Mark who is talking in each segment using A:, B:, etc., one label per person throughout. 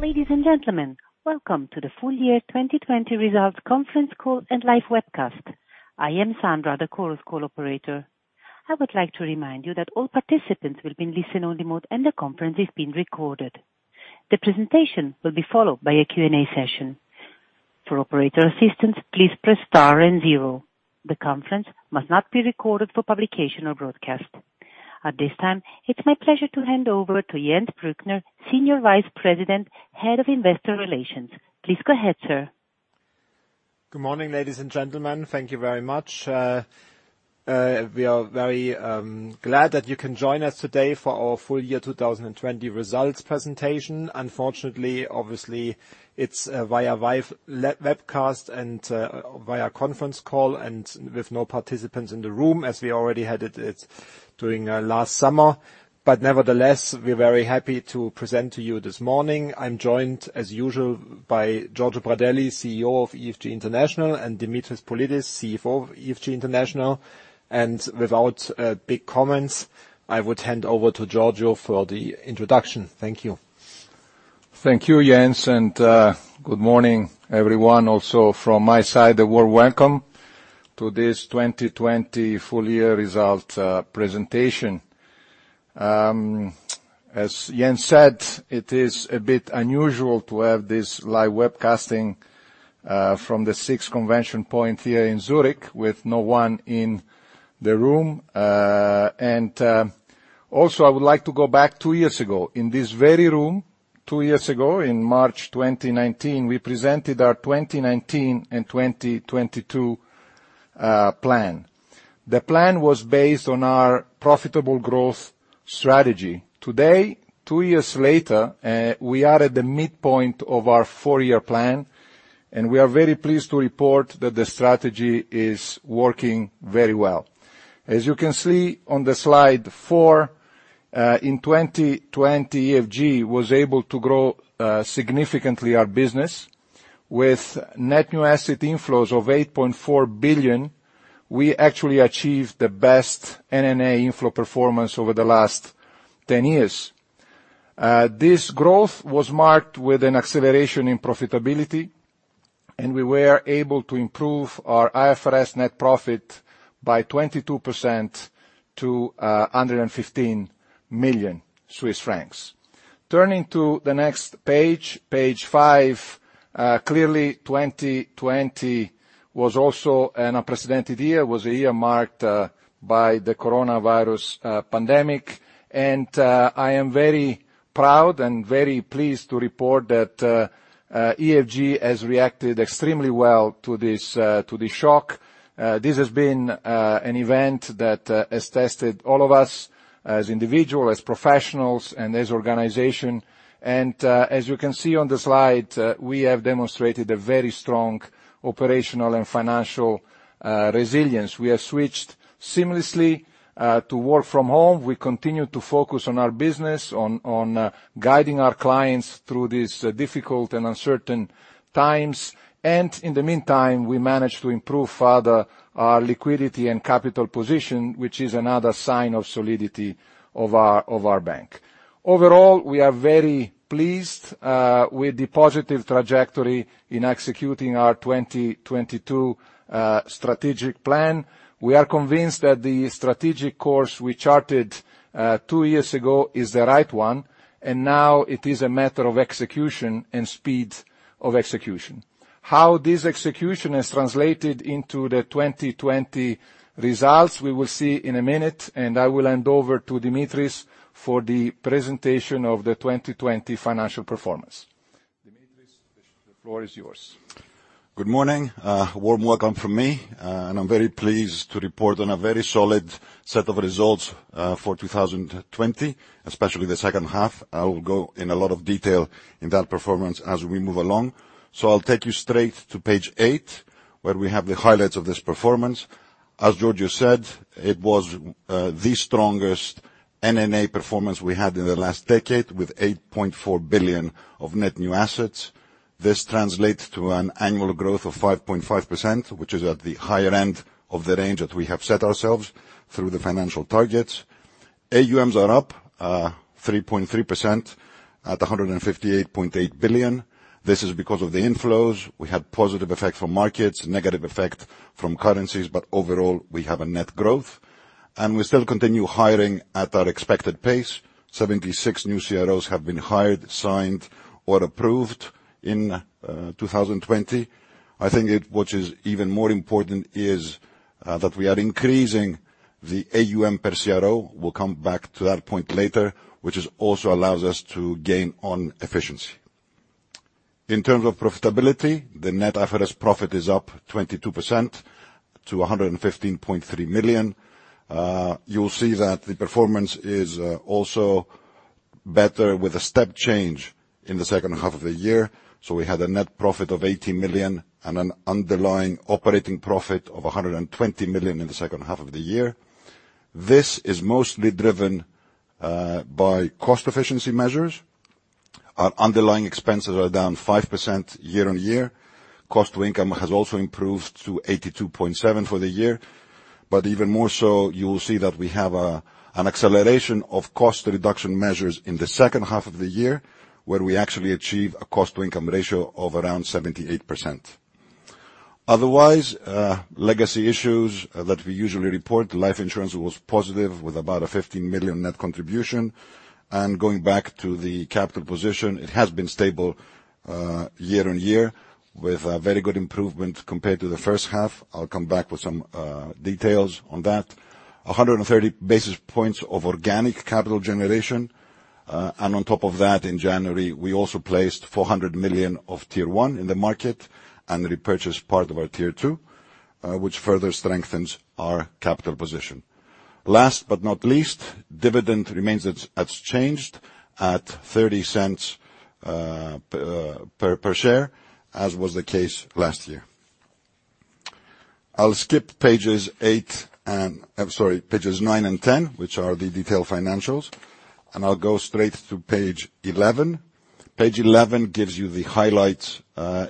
A: Ladies and gentlemen, welcome to the Full Year 2020 Results Conference Call and Live Webcast. I am Sandra, the conference call operator. I would like to remind you that all participants will be in listen-only mode, and the conference is being recorded. The presentation will be followed by a Q&A session. For operator assistance, please press star and zero. The conference must not be recorded for publication or broadcast. At this time, it's my pleasure to hand over to Jens Bruckner, Senior Vice President, Head of Investor Relations. Please go ahead, sir.
B: Good morning, ladies and gentlemen. Thank you very much. We are very glad that you can join us today for our full year 2020 results presentation. Unfortunately, obviously, it's via live webcast and via conference call, and with no participants in the room, as we already had it during last summer. Nevertheless, we're very happy to present to you this morning. I'm joined, as usual, by Giorgio Pradelli, CEO of EFG International, and Dimitris Politis, CFO of EFG International. Without big comments, I would hand over to Giorgio for the introduction. Thank you.
C: Thank you, Jens. Good morning, everyone. Also from my side, a warm welcome to this 2020 full year result presentation. As Jens said, it is a bit unusual to have this live webcasting from the SIX ConventionPoint here in Zurich with no one in the room. Also, I would like to go back two years ago. In this very room two years ago, in March 2019, we presented our 2019 and 2022 plan. The plan was based on our profitable growth strategy. Today, two years later, we are at the midpoint of our four-year plan, and we are very pleased to report that the strategy is working very well. As you can see on the slide four, in 2020, EFG was able to grow significantly our business. With net new asset inflows of 8.4 billion, we actually achieved the best NNA inflow performance over the last 10 years. This growth was marked with an acceleration in profitability, and we were able to improve our IFRS net profit by 22% to 115 million Swiss francs. Turning to the next page five, clearly 2020 was also an unprecedented year. It was a year marked by the coronavirus pandemic, and I am very proud and very pleased to report that EFG has reacted extremely well to this shock. This has been an event that has tested all of us as individuals, as professionals, and as organization. As you can see on the slide, we have demonstrated a very strong operational and financial resilience. We have switched seamlessly to work from home. We continue to focus on our business, on guiding our clients through these difficult and uncertain times. In the meantime, we managed to improve further our liquidity and capital position, which is another sign of solidity of our bank. Overall, we are very pleased with the positive trajectory in executing our 2022 strategic plan. We are convinced that the strategic course we charted two years ago is the right one, and now it is a matter of execution and speed of execution. How this execution has translated into the 2020 results, we will see in a minute, and I will hand over to Dimitris for the presentation of the 2020 financial performance. Dimitris, the floor is yours.
D: Good morning. A warm welcome from me. I'm very pleased to report on a very solid set of results for 2020, especially the second half. I will go in a lot of detail in that performance as we move along. I'll take you straight to page eight, where we have the highlights of this performance. As Giorgio said, it was the strongest NNA performance we had in the last decade, with 8.4 billion of net new assets. This translates to an annual growth of 5.5%, which is at the higher end of the range that we have set ourselves through the financial targets. AUMs are up 3.3% at 158.8 billion. This is because of the inflows. We had positive effect from markets, negative effect from currencies, but overall, we have a net growth. We still continue hiring at our expected pace. 76 new CROs have been hired, signed, or approved in 2020. I think what is even more important is that we are increasing the AUM per CRO, we'll come back to that point later, which also allows us to gain on efficiency. In terms of profitability, the net IFRS profit is up 22% to 115.3 million. You will see that the performance is also better with a step change in the second half of the year. We had a net profit of 80 million and an underlying operating profit of 120 million in the second half of the year. This is mostly driven by cost efficiency measures. Our underlying expenses are down 5% year-on-year. Cost to income has also improved to 82.7% for the year. Even more so, you will see that we have an acceleration of cost reduction measures in the second half of the year, where we actually achieve a cost-to-income ratio of around 78%. Otherwise, legacy issues that we usually report, life insurance was positive with about a 15 million net contribution. Going back to the capital position, it has been stable year-on-year with a very good improvement compared to the first half. I will come back with some details on that. 130 basis points of organic capital generation. On top of that, in January, we also placed 400 million of Tier 1 in the market and repurchased part of our Tier 2, which further strengthens our capital position. Last but not least, dividend remains unchanged at 0.30 per share, as was the case last year. I'll skip pages nine and 10, which are the detailed financials, I'll go straight to page 11. Page 11 gives you the highlights,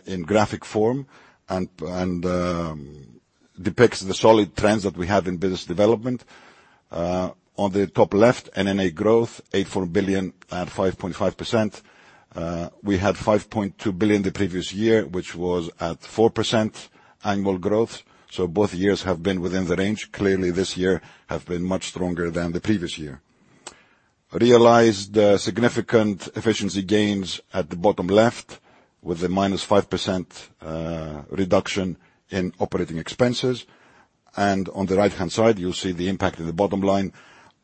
D: in graphic form and depicts the solid trends that we had in business development. On the top left, NNA growth, 8.4 billion at 5.5%. We had 5.2 billion the previous year, which was at 4% annual growth, both years have been within the range. Clearly, this year has been much stronger than the previous year. Realized significant efficiency gains at the bottom left with a -5% reduction in operating expenses. On the right-hand side, you'll see the impact of the bottom line.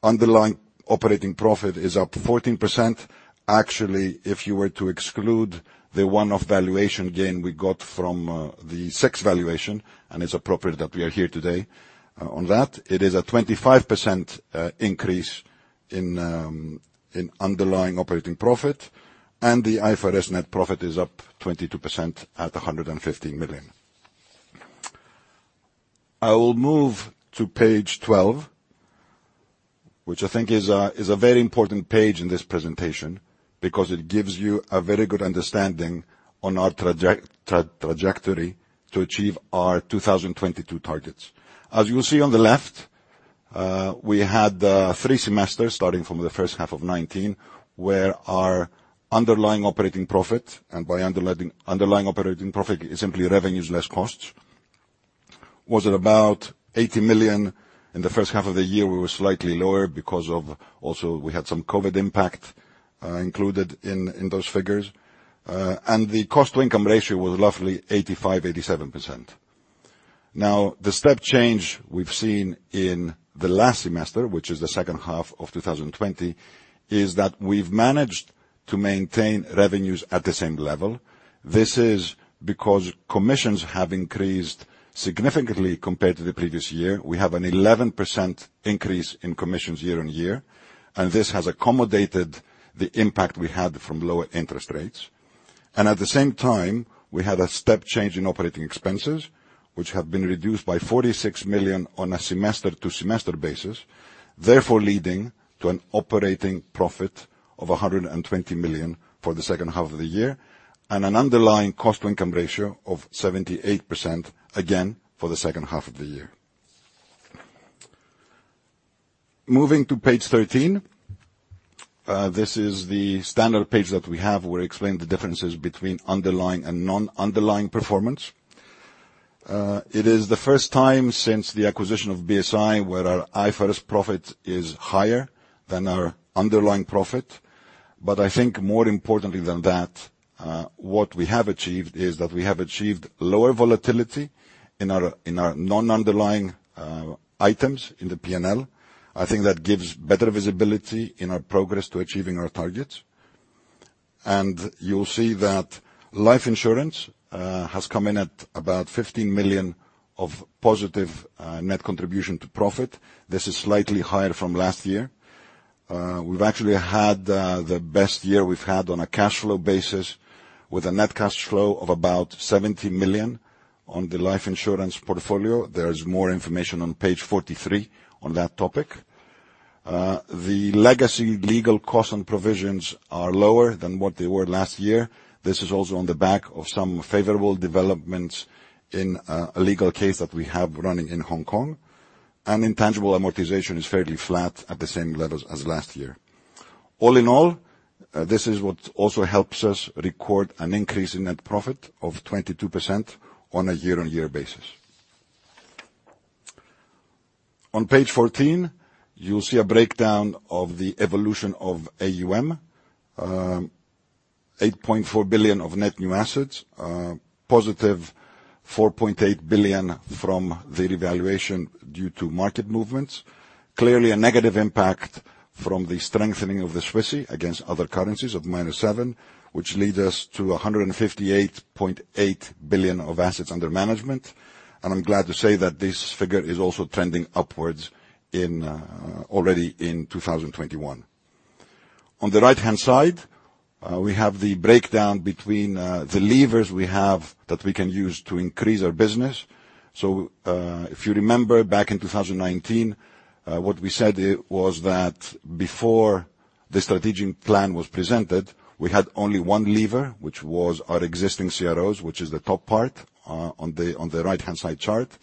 D: Underlying operating profit is up 14%. Actually, if you were to exclude the one-off valuation gain we got from the SIX valuation, it's appropriate that we are here today on that, it is a 25% increase in underlying operating profit. The IFRS net profit is up 22% at 115 million. I will move to page 12, which I think is a very important page in this presentation because it gives you a very good understanding on our trajectory to achieve our 2022 targets. As you will see on the left, we had three semesters, starting from the first half of 2019, where our underlying operating profit, and by underlying operating profit is simply revenues less costs, was at about 80 million. In the first half of the year, we were slightly lower because of also we had some COVID impact included in those figures. The cost to income ratio was roughly 85%-87%. Now, the step change we've seen in the last semester, which is the second half of 2020, is that we've managed to maintain revenues at the same level. This is because commissions have increased significantly compared to the previous year. We have an 11% increase in commissions year-over-year, This has accommodated the impact we had from lower interest rates. At the same time, we had a step change in operating expenses, which have been reduced by 46 million on a semester to semester basis, therefore leading to an operating profit of 120 million for the second half of the year and an underlying cost to income ratio of 78%, again, for the second half of the year. Moving to page 13. This is the standard page that we have where it explains the differences between underlying and non-underlying performance. It is the first time since the acquisition of BSI where our IFRS profit is higher than our underlying profit. I think more importantly than that, what we have achieved is that we have achieved lower volatility in our non-underlying items in the P&L. I think that gives better visibility in our progress to achieving our targets. You'll see that life insurance has come in at about 15 million of positive net contribution to profit. This is slightly higher from last year. We've actually had the best year we've had on a cash flow basis with a net cash flow of about 70 million on the life insurance portfolio. There is more information on page 43 on that topic. The legacy legal costs and provisions are lower than what they were last year. This is also on the back of some favorable developments in a legal case that we have running in Hong Kong. Intangible amortization is fairly flat at the same levels as last year. All in all, this is what also helps us record an increase in net profit of 22% on a year-on-year basis. On page 14, you will see a breakdown of the evolution of AUM, 8.4 billion of net new assets, a positive 4.8 billion from the revaluation due to market movements. Clearly, a negative impact from the strengthening of the Swissie against other currencies of minus CHF seven, which leads us to 158.8 billion of assets under management. I am glad to say that this figure is also trending upwards already in 2021. On the right-hand side, we have the breakdown between the levers we have that we can use to increase our business. If you remember back in 2019, what we said was that before the strategic plan was presented. We had only one lever, which was our existing CROs, which is the top part on the right-hand side chart.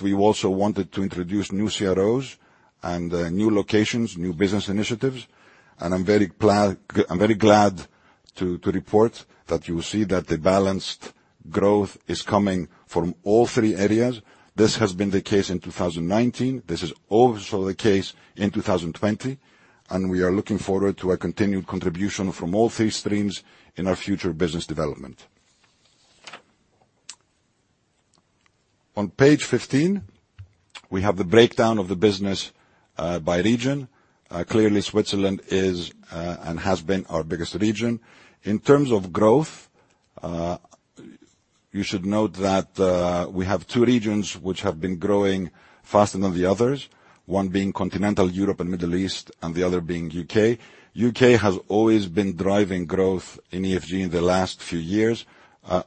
D: We also wanted to introduce new CROs and new locations, new business initiatives. I'm very glad to report that you will see that the balanced growth is coming from all three areas. This has been the case in 2019. This is also the case in 2020, and we are looking forward to a continued contribution from all three streams in our future business development. On page 15, we have the breakdown of the business by region. Clearly, Switzerland is, and has been our biggest region. In terms of growth, you should note that we have two regions which have been growing faster than the others, one being Continental Europe and Middle East, and the other being U.K. U.K. has always been driving growth in EFG in the last few years,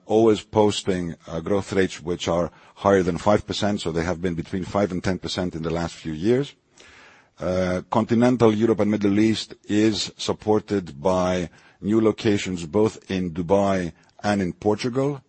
D: always posting growth rates which are higher than 5%, so they have been between 5%-10% in the last few years. Continental Europe and Middle East is supported by new locations both in Dubai and in Portugal.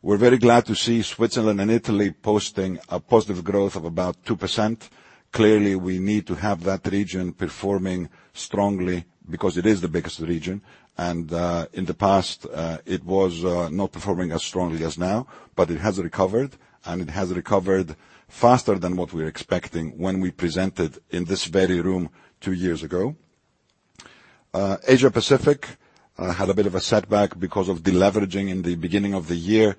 D: We're very glad to see Switzerland and Italy posting a positive growth of about 2%. Clearly, we need to have that region performing strongly because it is the biggest region, and, in the past, it was not performing as strongly as now. It has recovered, and it has recovered faster than what we were expecting when we presented in this very room two years ago. Asia-Pacific had a bit of a setback because of deleveraging in the beginning of the year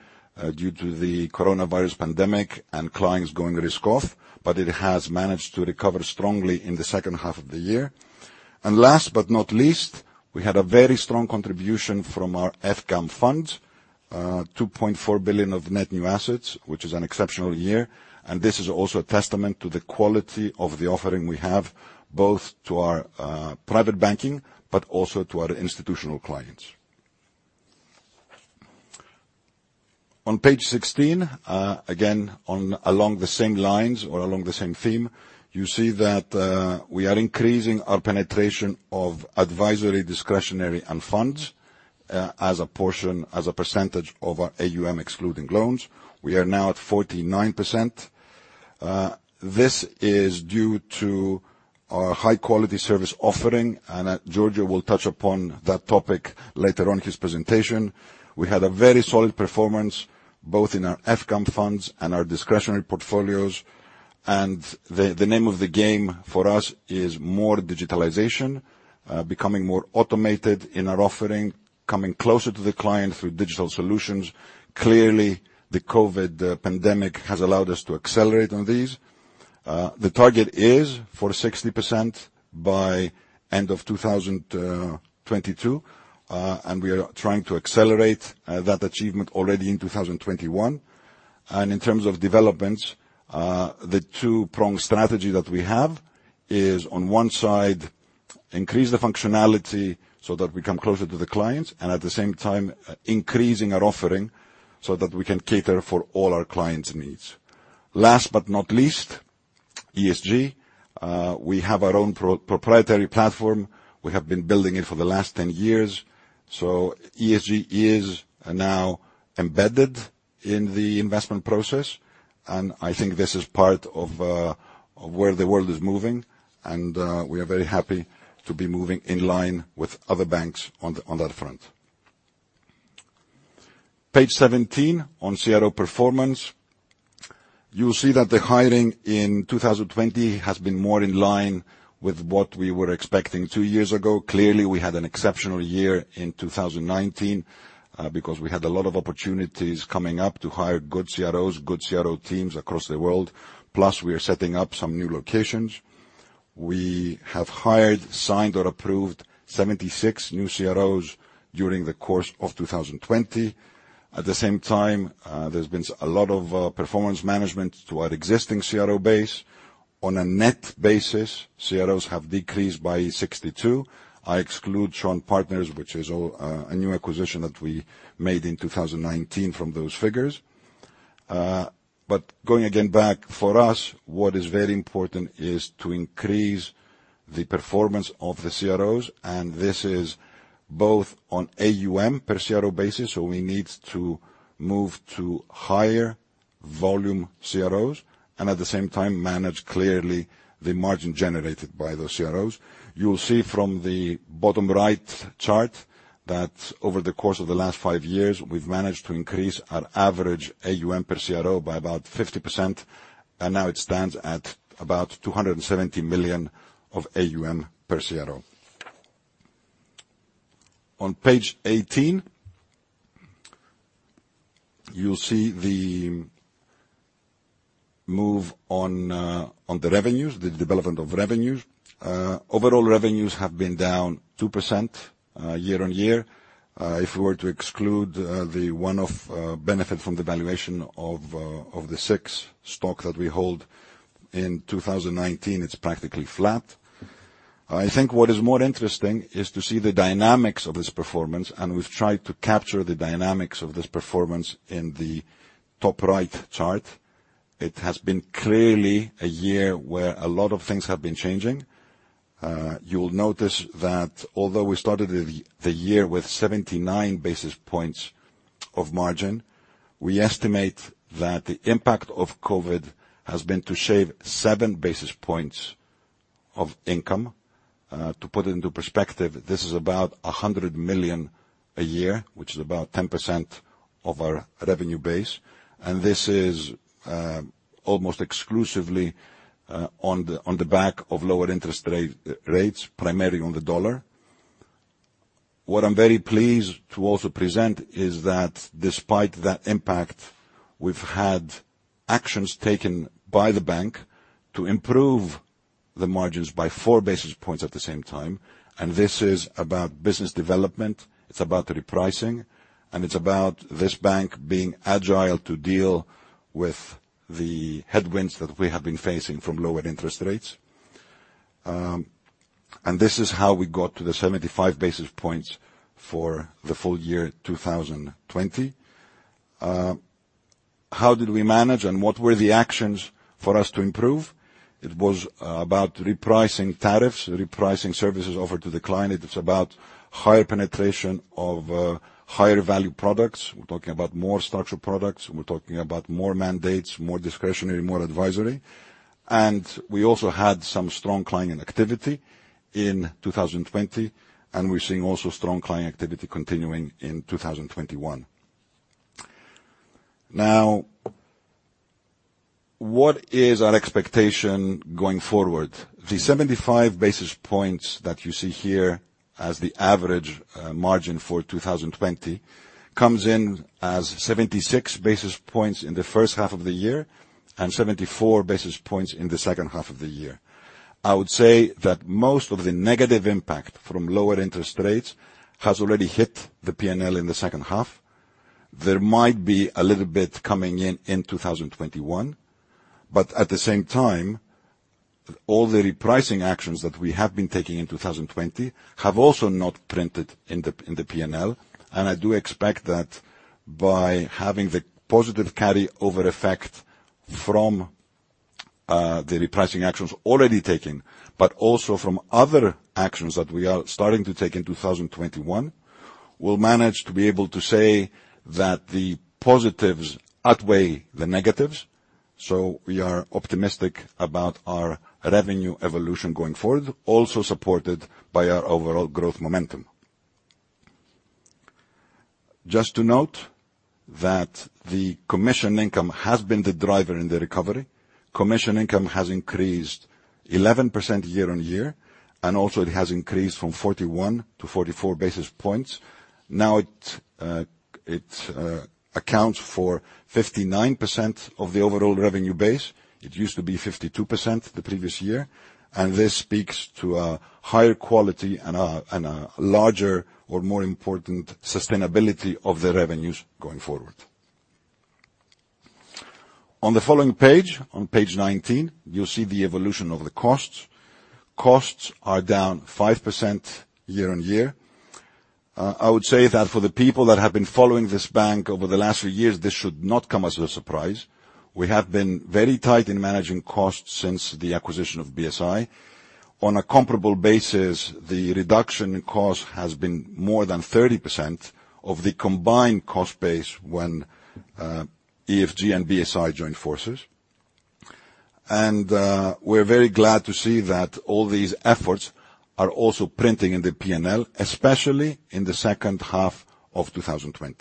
D: due to the coronavirus pandemic and clients going risk off, but it has managed to recover strongly in the second half of the year. Last but not least, we had a very strong contribution from our EFGAM funds, 2.4 billion of net new assets, which is an exceptional year, and this is also a testament to the quality of the offering we have, both to our private banking, but also to our institutional clients. On page 16, again, along the same lines or along the same theme, you see that we are increasing our penetration of advisory, discretionary, and funds as a percentage of our AUM, excluding loans. We are now at 49%. This is due to our high-quality service offering, and Giorgio will touch upon that topic later on his presentation. We had a very solid performance both in our EFGAM funds and our discretionary portfolios. The name of the game for us is more digitalization, becoming more automated in our offering, coming closer to the client through digital solutions. Clearly, the COVID pandemic has allowed us to accelerate on these. The target is for 60% by end of 2022, and we are trying to accelerate that achievement already in 2021. In terms of developments, the two-prong strategy that we have is, on one side, increase the functionality so that we come closer to the clients, and at the same time, increasing our offering so that we can cater for all our clients' needs. Last but not least, ESG. We have our own proprietary platform. We have been building it for the last 10 years. ESG is now embedded in the investment process, and I think this is part of where the world is moving, and we are very happy to be moving in line with other banks on that front. Page 17 on CRO performance. You'll see that the hiring in 2020 has been more in line with what we were expecting two years ago. Clearly, we had an exceptional year in 2019, because we had a lot of opportunities coming up to hire good CROs, good CRO teams across the world. Plus, we are setting up some new locations. We have hired, signed, or approved 76 new CROs during the course of 2020. At the same time, there's been a lot of performance management to our existing CRO base. On a net basis, CROs have decreased by 62. I exclude Shaw Partners, which is a new acquisition that we made in 2019 from those figures. Going again back, for us, what is very important is to increase the performance of the CROs, and this is both on AUM per CRO basis, so we need to move to higher volume CROs, and at the same time manage clearly the margin generated by those CROs. You will see from the bottom-right chart that over the course of the last five years, we've managed to increase our average AUM per CRO by about 50%, and now it stands at about 270 million of AUM per CRO. On page 18, you'll see the move on the revenues, the development of revenues. Overall revenues have been down 2% year-on-year. If we were to exclude the one-off benefit from the valuation of the SIX stock that we hold in 2019, it's practically flat. I think what is more interesting is to see the dynamics of this performance. We've tried to capture the dynamics of this performance in the top right chart. It has been clearly a year where a lot of things have been changing. You will notice that although we started the year with 79 basis points of margin, we estimate that the impact of COVID has been to shave seven basis points of income. To put it into perspective, this is about 100 million a year, which is about 10% of our revenue base. This is almost exclusively on the back of lower interest rates, primarily on the dollar. What I'm very pleased to also present is that despite that impact, we've had actions taken by the bank to improve the margins by four basis points at the same time. This is about business development, it's about repricing, and it's about this bank being agile to deal with the headwinds that we have been facing from lower interest rates. This is how we got to the 75 basis points for the full year 2020. How did we manage? What were the actions for us to improve? It was about repricing tariffs, repricing services offered to the client. It is about higher penetration of higher value products. We're talking about more structural products. We're talking about more mandates, more discretionary, more advisory. We also had some strong client activity in 2020. We're seeing also strong client activity continuing in 2021. What is our expectation going forward? The 75 basis points that you see here as the average margin for 2020 comes in as 76 basis points in the first half of the year and 74 basis points in the second half of the year. I would say that most of the negative impact from lower interest rates has already hit the P&L in the second half. There might be a little bit coming in in 2021, at the same time, all the repricing actions that we have been taking in 2020 have also not printed in the P&L. I do expect that by having the positive carryover effect from the repricing actions already taken, also from other actions that we are starting to take in 2021, we'll manage to be able to say that the positives outweigh the negatives. We are optimistic about our revenue evolution going forward, also supported by our overall growth momentum. Just to note that the commission income has been the driver in the recovery. Commission income has increased 11% year-on-year, and it has increased from 41-44 basis points. Now it accounts for 59% of the overall revenue base. It used to be 52% the previous year, and this speaks to a higher quality and a larger or more important sustainability of the revenues going forward. On the following page, on page 19, you'll see the evolution of the costs. Costs are down 5% year-on-year. I would say that for the people that have been following this bank over the last few years, this should not come as a surprise. We have been very tight in managing costs since the acquisition of BSI. On a comparable basis, the reduction in cost has been more than 30% of the combined cost base when EFG and BSI joined forces. We're very glad to see that all these efforts are also printing in the P&L, especially in the second half of 2020.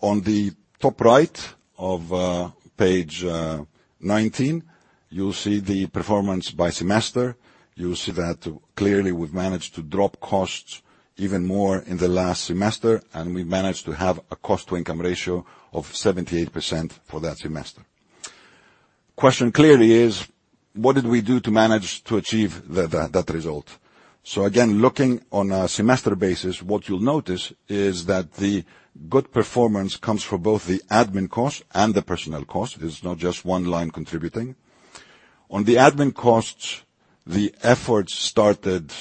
D: On the top right of page 19, you'll see the performance by semester. You'll see that clearly we've managed to drop costs even more in the last semester, and we've managed to have a cost to income ratio of 78% for that semester. Question clearly is, what did we do to manage to achieve that result? Again, looking on a semester basis, what you'll notice is that the good performance comes from both the admin cost and the personnel cost. It's not just one line contributing. On the admin costs, the efforts started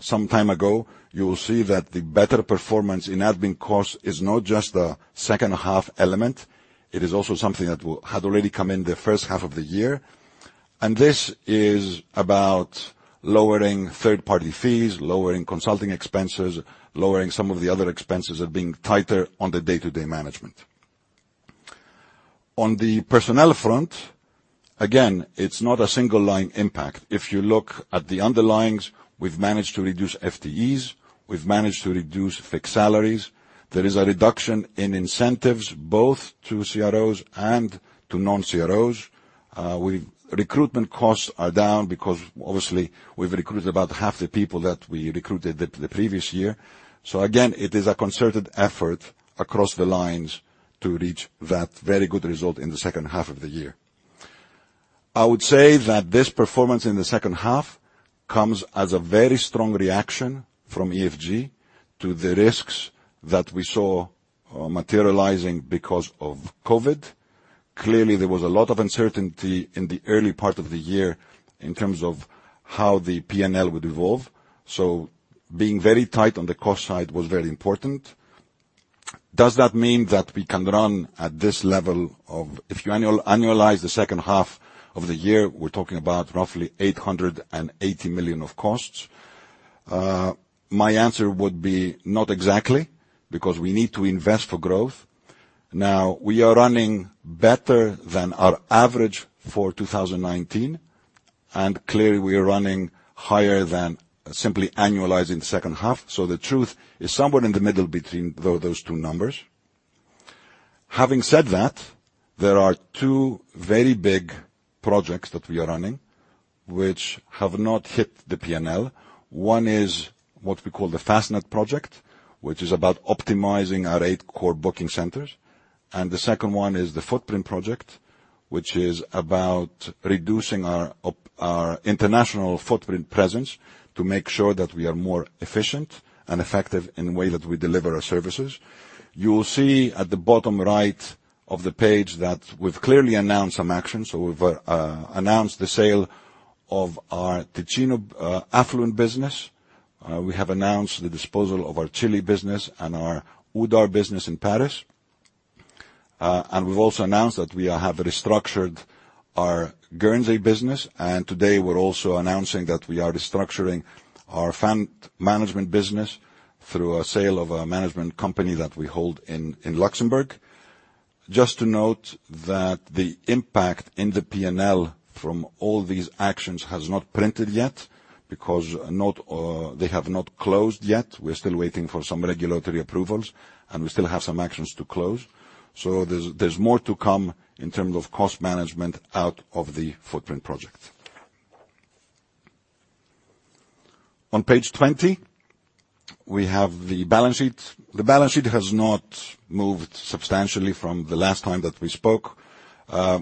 D: some time ago. You will see that the better performance in admin cost is not just a second-half element. It is also something that had already come in the first half of the year. This is about lowering third-party fees, lowering consulting expenses, lowering some of the other expenses, and being tighter on the day-to-day management. On the personnel front, again, it's not a single line impact. If you look at the underlying, we've managed to reduce FTEs, we've managed to reduce fixed salaries. There is a reduction in incentives, both to CROs and to non-CROs. Recruitment costs are down because obviously we've recruited about half the people that we recruited the previous year. Again, it is a concerted effort across the lines to reach that very good result in the second half of the year. I would say that this performance in the second half comes as a very strong reaction from EFG to the risks that we saw materializing because of COVID. Clearly, there was a lot of uncertainty in the early part of the year in terms of how the P&L would evolve, so being very tight on the cost side was very important. Does that mean that we can run at this level of, if you annualize the second half of the year, we're talking about roughly 880 million of costs. My answer would be not exactly, because we need to invest for growth. Now, we are running better than our average for 2019, and clearly we are running higher than simply annualizing the second half, so the truth is somewhere in the middle between those two numbers. Having said that, there are two very big projects that we are running, which have not hit the P&L. One is what we call the FastNet project, which is about optimizing our eight core booking centers. The second one is the Footprint project, which is about reducing our international footprint presence to make sure that we are more efficient and effective in the way that we deliver our services. You will see at the bottom right of the page that we've clearly announced some actions. We've announced the sale of our Ticino affluent business. We have announced the disposal of our Chile business and our Oudart business in Paris. We've also announced that we have restructured our Guernsey business, and today we're also announcing that we are restructuring our fund management business through a sale of a management company that we hold in Luxembourg. Just to note that the impact in the P&L from all these actions has not printed yet, because they have not closed yet. We're still waiting for some regulatory approvals, and we still have some actions to close. There's more to come in terms of cost management out of the Footprint project. On page 20, we have the balance sheet. The balance sheet has not moved substantially from the last time that we spoke.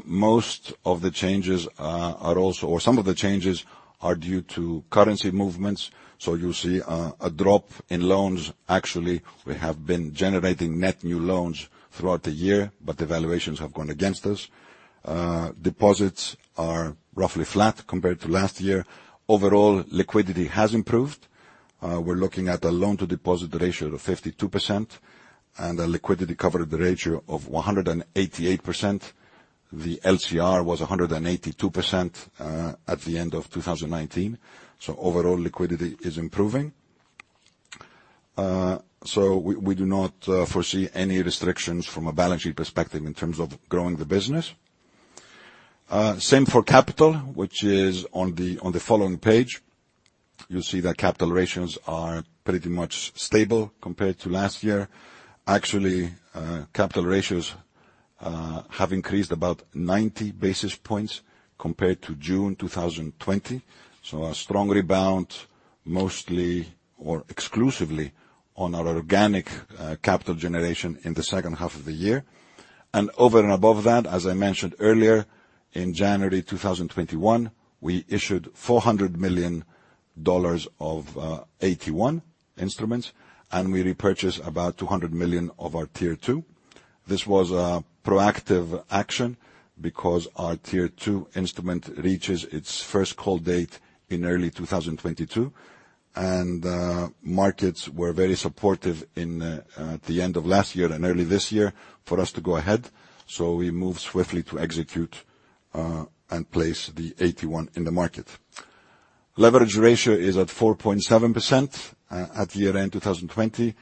D: Most of the changes are also, or some of the changes are due to currency movements. You see a drop in loans. Actually, we have been generating net new loans throughout the year, but the valuations have gone against us. Deposits are roughly flat compared to last year. Overall, liquidity has improved. We're looking at a loan-to-deposit ratio of 52% and a liquidity coverage ratio of 188%. The LCR was 182% at the end of 2019. Overall, liquidity is improving. We do not foresee any restrictions from a balance sheet perspective in terms of growing the business. Same for capital, which is on the following page. You'll see that capital ratios are pretty much stable compared to last year. Actually, capital ratios have increased about 90 basis points compared to June 2020. A strong rebound, mostly or exclusively on our organic capital generation in the second half of the year. Over and above that, as I mentioned earlier, in January 2021, we issued CHF 400 million of AT1 instruments, and we repurchased about 200 million of our Tier 2. This was a proactive action because our Tier 2 instrument reaches its first call date in early 2022. Markets were very supportive at the end of last year and early this year for us to go ahead. We moved swiftly to execute and place the AT1 in the market. Leverage ratio is at 4.7% at year-end 2020.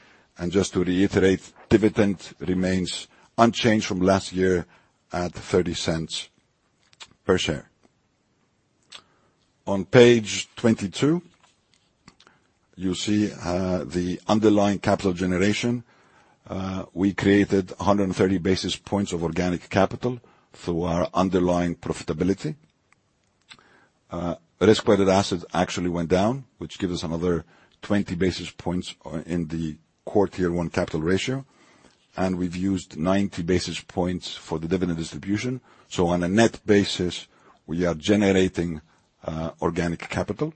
D: Just to reiterate, dividend remains unchanged from last year at 0.30 per share. On page 22, you see the underlying capital generation. We created 130 basis points of organic capital through our underlying profitability. risk-weighted assets actually went down, which gives us another 20 basis points in the Core Tier 1 capital ratio, and we've used 90 basis points for the dividend distribution. On a net basis, we are generating organic capital.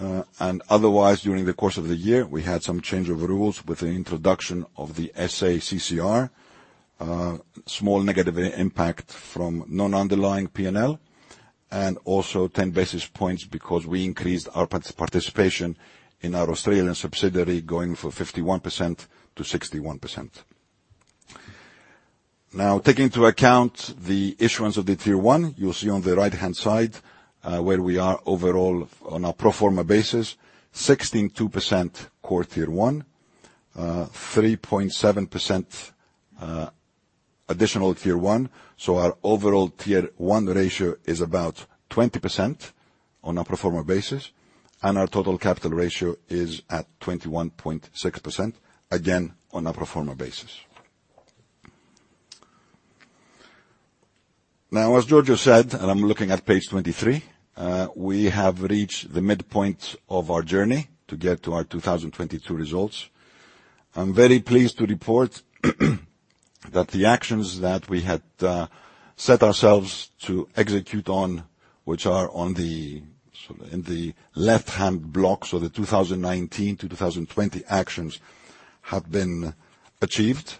D: Otherwise, during the course of the year, we had some change of rules with the introduction of the SA-CCR, small negative impact from non-underlying P&L, and also 10 basis points because we increased our participation in our Australian subsidiary going from 51% to 61%. Taking into account the issuance of the Tier 1, you'll see on the right-hand side where we are overall on a pro forma basis, 16.2% Core Tier 1, 3.7% Additional Tier 1. Our overall Tier 1 ratio is about 20% on a pro forma basis, and our total capital ratio is at 21.6%, again, on a pro forma basis. As Giorgio said, and I'm looking at page 23, we have reached the midpoint of our journey to get to our 2022 results. I'm very pleased to report that the actions that we had set ourselves to execute on, which are in the left-hand block, the 2019-2020 actions have been achieved.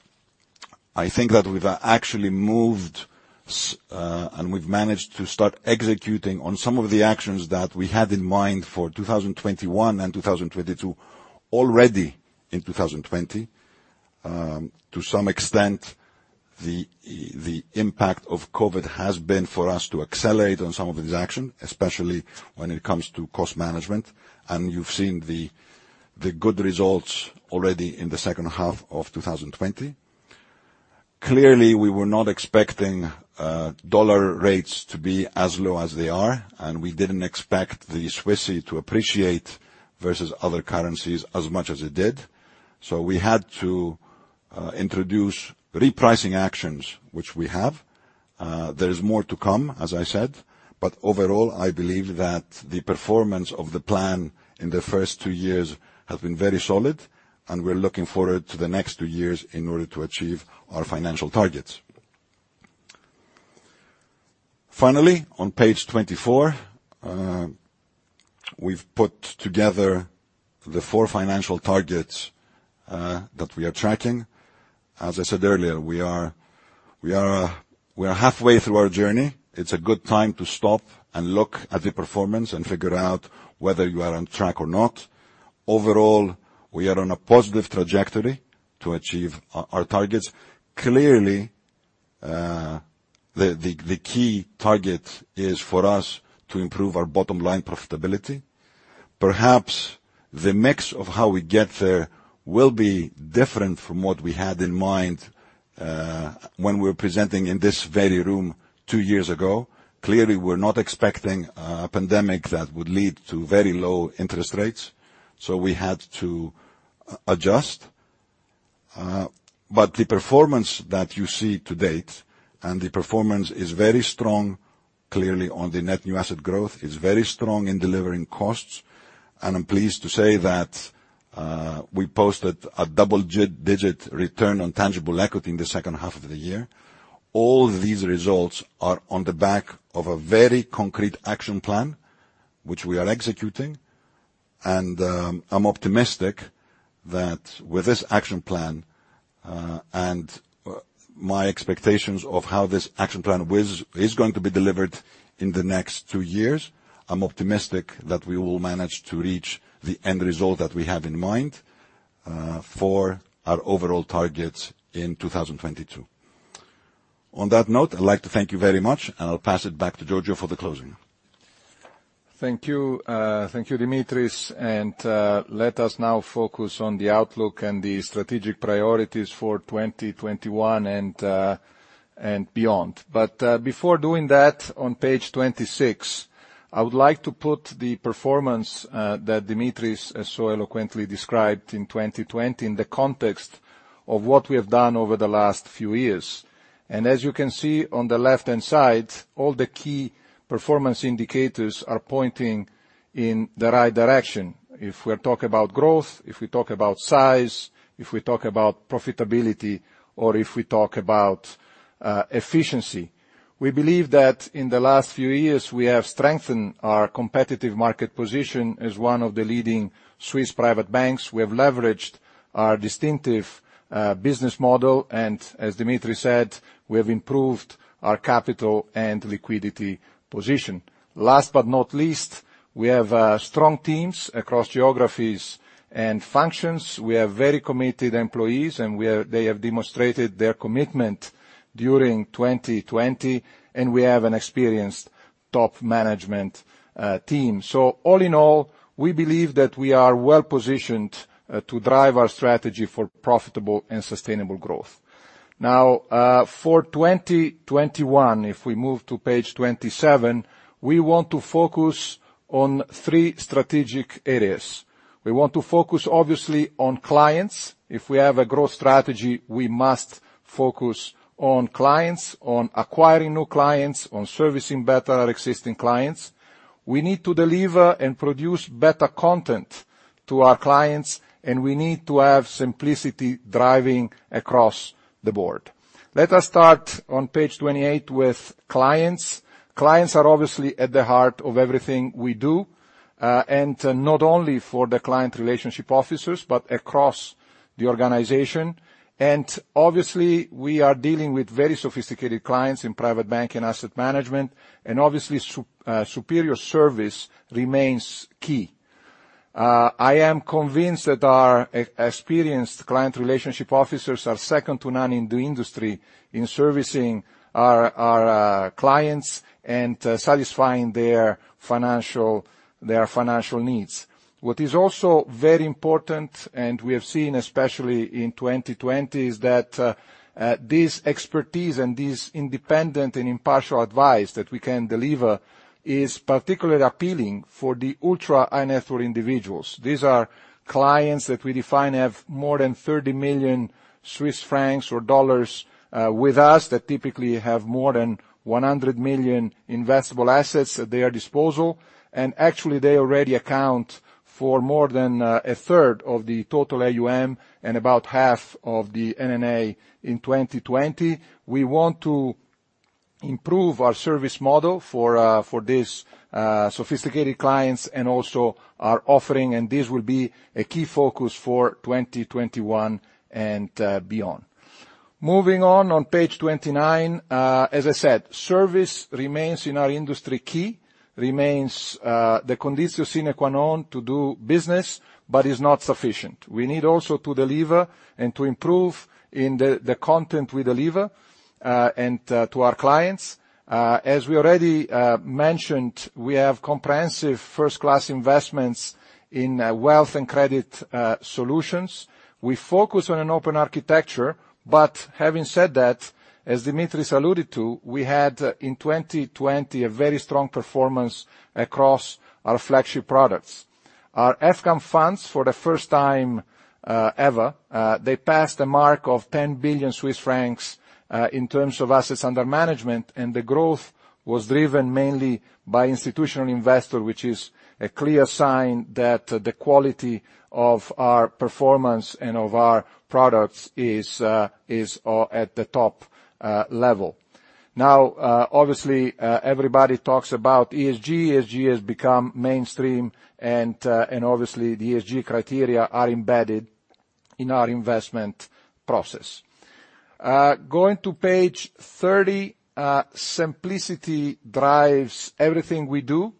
D: I think that we've actually moved, and we've managed to start executing on some of the actions that we had in mind for 2021 and 2022 already in 2020. To some extent, the impact of COVID has been for us to accelerate on some of these actions, especially when it comes to cost management, and you've seen the good results already in the second half of 2020. Clearly, we were not expecting dollar rates to be as low as they are, and we didn't expect the Swissy to appreciate versus other currencies as much as it did. We had to introduce repricing actions, which we have. There is more to come, as I said, but overall, I believe that the performance of the plan in the first two years has been very solid, and we are looking forward to the next two years in order to achieve our financial targets. Finally, on page 24, we have put together the four financial targets that we are tracking. As I said earlier, we are halfway through our journey. It is a good time to stop and look at the performance and figure out whether you are on track or not. Overall, we are on a positive trajectory to achieve our targets. Clearly, the key target is for us to improve our bottom-line profitability. Perhaps the mix of how we get there will be different from what we had in mind when we were presenting in this very room two years ago. Clearly, we're not expecting a pandemic that would lead to very low interest rates, we had to adjust. The performance that you see to date, and the performance is very strong, clearly, on the net new asset growth, is very strong in delivering costs, and I'm pleased to say that we posted a double-digit return on tangible equity in the second half of the year. All these results are on the back of a very concrete action plan, which we are executing, and I'm optimistic that with this action plan, and my expectations of how this action plan is going to be delivered in the next two years, I'm optimistic that we will manage to reach the end result that we have in mind for our overall targets in 2022. On that note, I'd like to thank you very much, and I'll pass it back to Giorgio for the closing.
C: Thank you. Thank you, Dimitris. Let us now focus on the outlook and the strategic priorities for 2021 and beyond. Before doing that, on page 26, I would like to put the performance that Dimitris so eloquently described in 2020 in the context of what we have done over the last few years. As you can see on the left-hand side, all the key performance indicators are pointing in the right direction. If we're talking about growth, if we talk about size, if we talk about profitability, or if we talk about efficiency. We believe that in the last few years, we have strengthened our competitive market position as one of the leading Swiss private banks. We have leveraged our distinctive business model, and as Dimitris said, we have improved our capital and liquidity position. Last but not least, we have strong teams across geographies and functions. We have very committed employees, they have demonstrated their commitment during 2020, we have an experienced top management team. All in all, we believe that we are well-positioned to drive our strategy for profitable and sustainable growth. For 2021, if we move to page 27, we want to focus on three strategic areas. We want to focus, obviously, on clients. If we have a growth strategy, we must focus on clients, on acquiring new clients, on servicing better our existing clients. We need to deliver and produce better content to our clients, we need to have simplicity driving across the board. Let us start on page 28 with clients. Clients are obviously at the heart of everything we do, not only for the client relationship officers, but across the organization. Obviously, we are dealing with very sophisticated clients in private bank and asset management, obviously, superior service remains key. I am convinced that our experienced client relationship officers are second to none in the industry in servicing our clients and satisfying their financial needs. What is also very important, we have seen especially in 2020, is that this expertise and this independent and impartial advice that we can deliver is particularly appealing for the ultra-high-net-worth individuals. These are clients that we define have more than 30 million Swiss francs or $30 million with us, that typically have more than 100 million investable assets at their disposal. Actually, they already account for more than a third of the total AUM and about half of the NNA in 2020. We want to improve our service model for these sophisticated clients and also our offering, and this will be a key focus for 2021 and beyond. Moving on page 29. As I said, service remains, in our industry, key. Remains the conditio sine qua non to do business, but is not sufficient. We need also to deliver and to improve in the content we deliver to our clients. As we already mentioned, we have comprehensive first-class investments in wealth and credit solutions. We focus on an open architecture, but having said that, as Dimitris alluded to, we had in 2020 a very strong performance across our flagship products. Our EFGAM funds, for the first time ever, they passed the mark of 10 billion Swiss francs in terms of assets under management. The growth was driven mainly by institutional investor, which is a clear sign that the quality of our performance and of our products is at the top level. Obviously, everybody talks about ESG. ESG has become mainstream and obviously the ESG criteria are embedded in our investment process. Going to page 30, simplicity drives everything we do.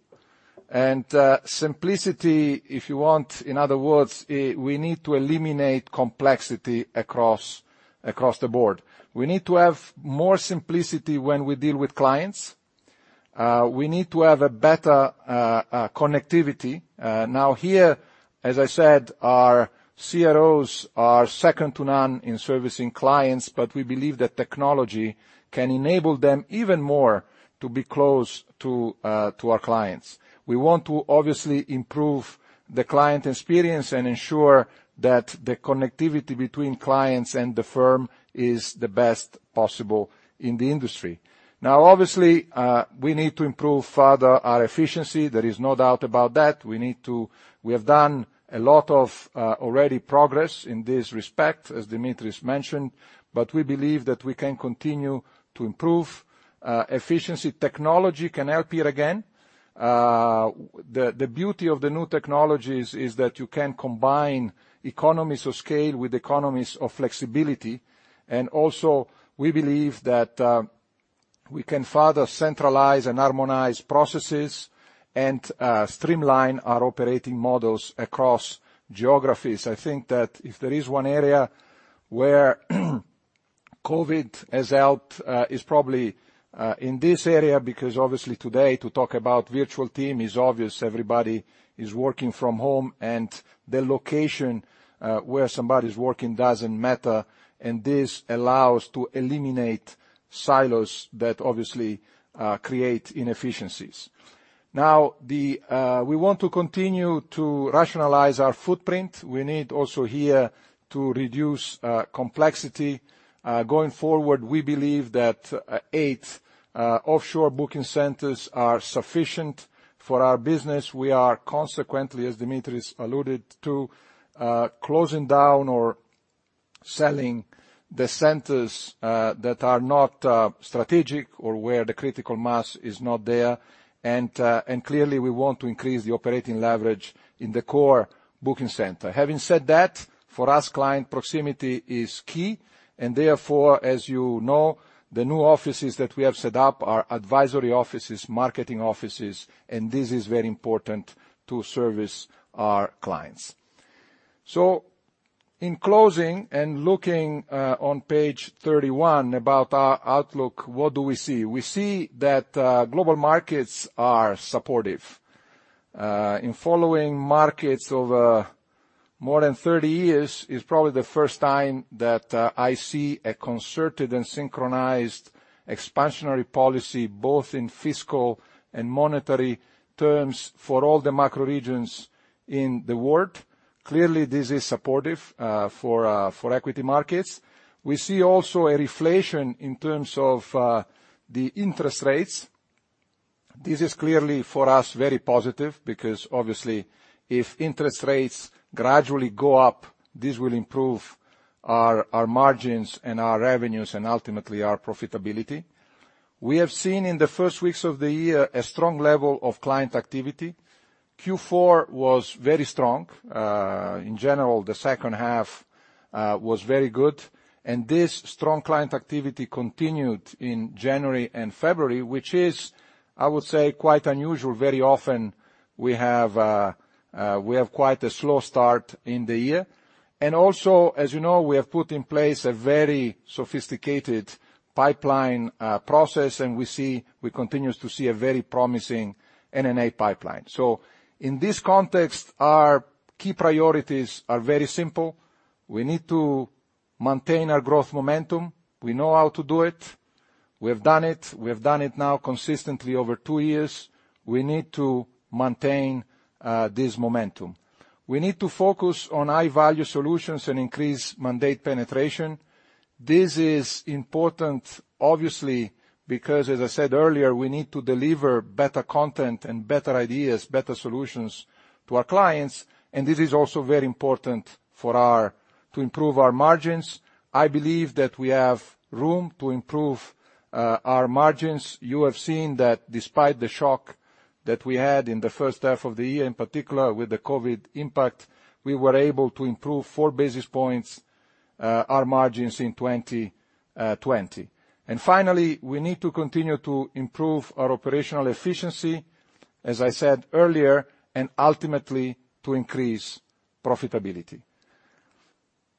C: Simplicity, if you want, in other words, we need to eliminate complexity across the board. We need to have more simplicity when we deal with clients. We need to have a better connectivity. Here, as I said, our CROs are second to none in servicing clients, we believe that technology can enable them even more to be close to our clients. We want to obviously improve the client experience and ensure that the connectivity between clients and the firm is the best possible in the industry. Obviously, we need to improve further our efficiency. There is no doubt about that. We have done a lot of already progress in this respect, as Dimitris mentioned. We believe that we can continue to improve efficiency. Technology can help here again. The beauty of the new technologies is that you can combine economies of scale with economies of flexibility. We believe that we can further centralize and harmonize processes and streamline our operating models across geographies. I think that if there is one area where COVID has helped is probably in this area, because obviously today to talk about virtual team is obvious everybody is working from home, and the location where somebody's working doesn't matter, and this allows to eliminate silos that obviously create inefficiencies. We want to continue to rationalize our footprint. We need also here to reduce complexity. Going forward, we believe that eight offshore booking centers are sufficient for our business. We are consequently, as Dimitris alluded to closing down or selling the centers that are not strategic or where the critical mass is not there. Clearly, we want to increase the operating leverage in the core booking center. Having said that, for us, client proximity is key, and therefore, as you know, the new offices that we have set up are advisory offices, marketing offices, and this is very important to service our clients. In closing, and looking on page 31 about our outlook, what do we see? We see that global markets are supportive. In following markets over more than 30 years is probably the first time that I see a concerted and synchronized expansionary policy, both in fiscal and monetary terms for all the macro regions in the world. Clearly, this is supportive for equity markets. We see also a reflation in terms of the interest rates. This is clearly for us very positive because obviously if interest rates gradually go up, this will improve our margins and our revenues and ultimately our profitability. We have seen in the first weeks of the year a strong level of client activity. Q4 was very strong. In general, the second half was very good, and this strong client activity continued in January and February, which is, I would say, quite unusual. Very often we have quite a slow start in the year. Also, as you know, we have put in place a very sophisticated pipeline process, and we continue to see a very promising NNA pipeline. In this context, our key priorities are very simple. We need to maintain our growth momentum. We know how to do it. We have done it. We have done it now consistently over two years. We need to maintain this momentum. We need to focus on high-value solutions and increase mandate penetration. This is important, obviously, because, as I said earlier, we need to deliver better content and better ideas, better solutions to our clients, and this is also very important for our. To improve our margins. I believe that we have room to improve our margins. You have seen that despite the shock that we had in the first half of the year, in particular with the COVID impact, we were able to improve four basis points our margins in 2020. Finally, we need to continue to improve our operational efficiency, as I said earlier, and ultimately to increase profitability.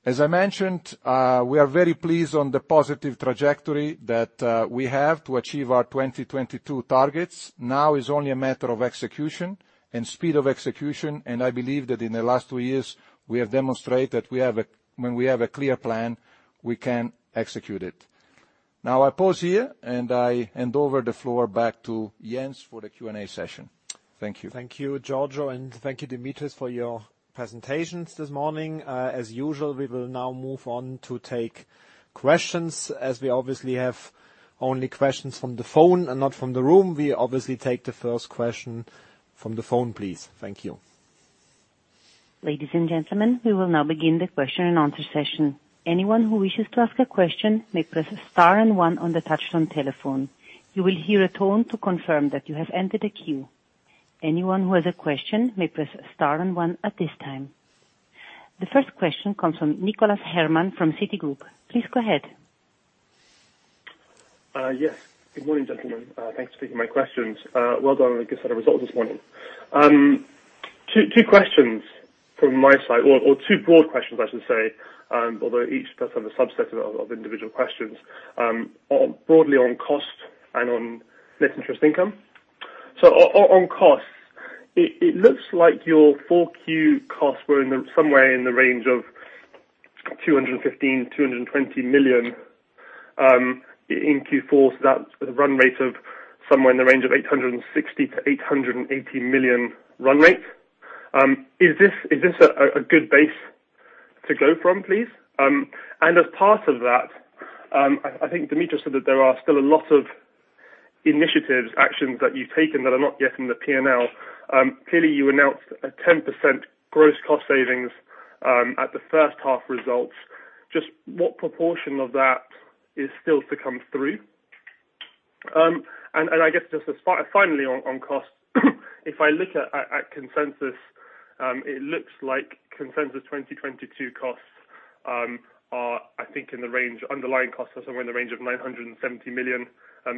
C: As I mentioned, we are very pleased on the positive trajectory that we have to achieve our 2022 targets. Now is only a matter of execution and speed of execution, and I believe that in the last two years we have demonstrated when we have a clear plan, we can execute it. Now, I pause here, and I hand over the floor back to Jens for the Q&A session. Thank you.
B: Thank you, Giorgio, and thank you, Dimitris, for your presentations this morning. As usual, we will now move on to take questions, as we obviously have only questions from the phone and not from the room. We obviously take the first question from the phone, please. Thank you.
A: Ladies and gentlemen, we will now begin the question and answer session. Anyone who wishes to ask a question may press star and one on the touch-tone telephone. You will hear a tone to confirm that you have entered a queue. Anyone who has a question may press star and one at this time. The first question comes from Nicholas Herman from Citigroup. Please go ahead.
E: Yes. Good morning, gentlemen. Thanks for taking my questions. Well done on a good set of results this morning. Two questions from my side, or two broad questions I should say, although each person have a subset of individual questions, broadly on cost and on net interest income. On costs, it looks like your full Q costs were somewhere in the range of 215 million-220 million, in Q4. That's with a run rate of somewhere in the range of 860 million-880 million run rate. Is this a good base to go from, please? As part of that, I think Dimitris said that there are still a lot of initiatives, actions that you've taken that are not yet in the P&L. Clearly, you announced a 10% gross cost savings at the first half results. Just what proportion of that is still to come through? I guess just finally on cost, if I look at consensus, it looks like consensus 2022 costs are, I think, underlying costs are somewhere in the range of 970 million.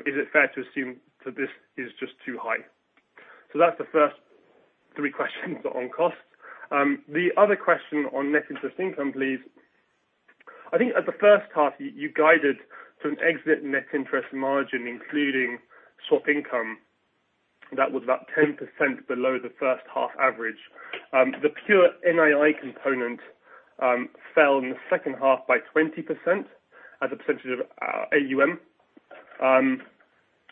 E: Is it fair to assume that this is just too high? That's the first three questions on costs. The other question on net interest income, please. I think at the first half you guided to an exit net interest margin, including swap income, that was about 10% below the first half average. The pure NII component fell in the second half by 20% as a percentage of AUM.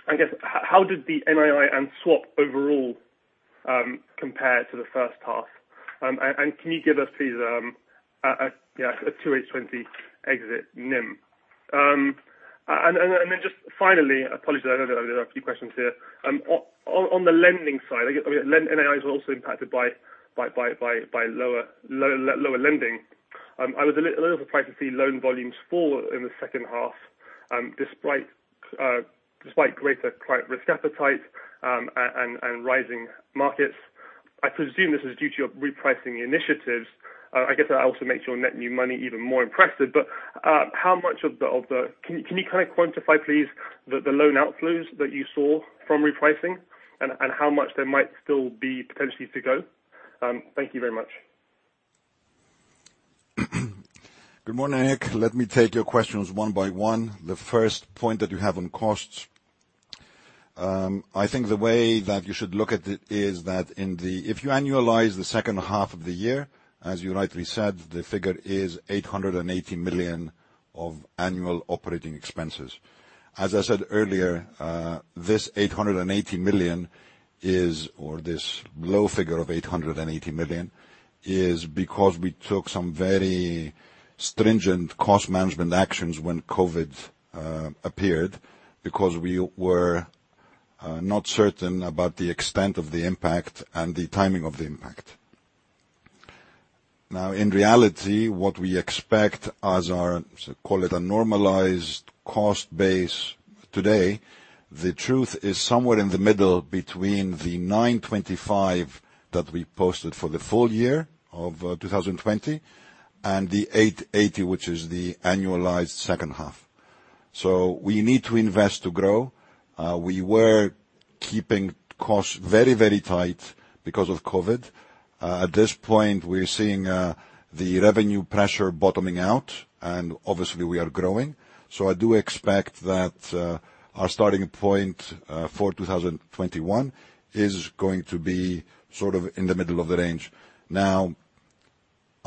E: I guess, how did the NII and swap overall compare to the first half? Can you give us, please, a 2H 2020 exit NIM. Then just finally, apologies, I know that there are a few questions here. On the lending side, NIIs were also impacted by lower lending. I was a little surprised to see loan volumes fall in the second half, despite greater client risk appetite, and rising markets. I presume this is due to your repricing initiatives. I guess that also makes your net new money even more impressive, but can you kind of quantify, please, the loan outflows that you saw from repricing and how much there might still be potentially to go? Thank you very much.
D: Good morning. Let me take your questions one by one. The first point that you have on costs, I think the way that you should look at it is that if you annualize the second half of the year, as you rightly said, the figure is 880 million of annual operating expenses. As I said earlier, this 880 million, or this low figure of 880 million, is because we took some very stringent cost management actions when COVID appeared because we were not certain about the extent of the impact and the timing of the impact. In reality, what we expect as our, call it a normalized cost base today, the truth is somewhere in the middle between the 925 million that we posted for the full year of 2020 and the 880 million, which is the annualized second half. We need to invest to grow. We were keeping costs very tight because of COVID. At this point, we're seeing the revenue pressure bottoming out, and obviously we are growing. I do expect that our starting point for 2021 is going to be sort of in the middle of the range.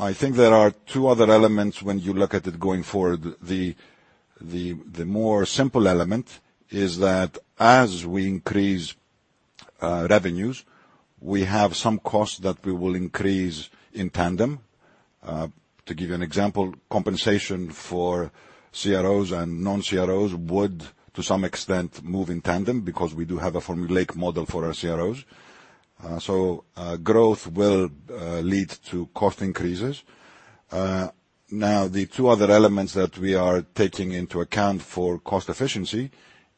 D: I think there are two other elements when you look at it going forward. The more simple element is that as we increase revenues, we have some costs that we will increase in tandem. To give you an example, compensation for CROs and non-CROs would, to some extent, move in tandem because we do have a formulaic model for our CROs. Growth will lead to cost increases. The two other elements that we are taking into account for cost efficiency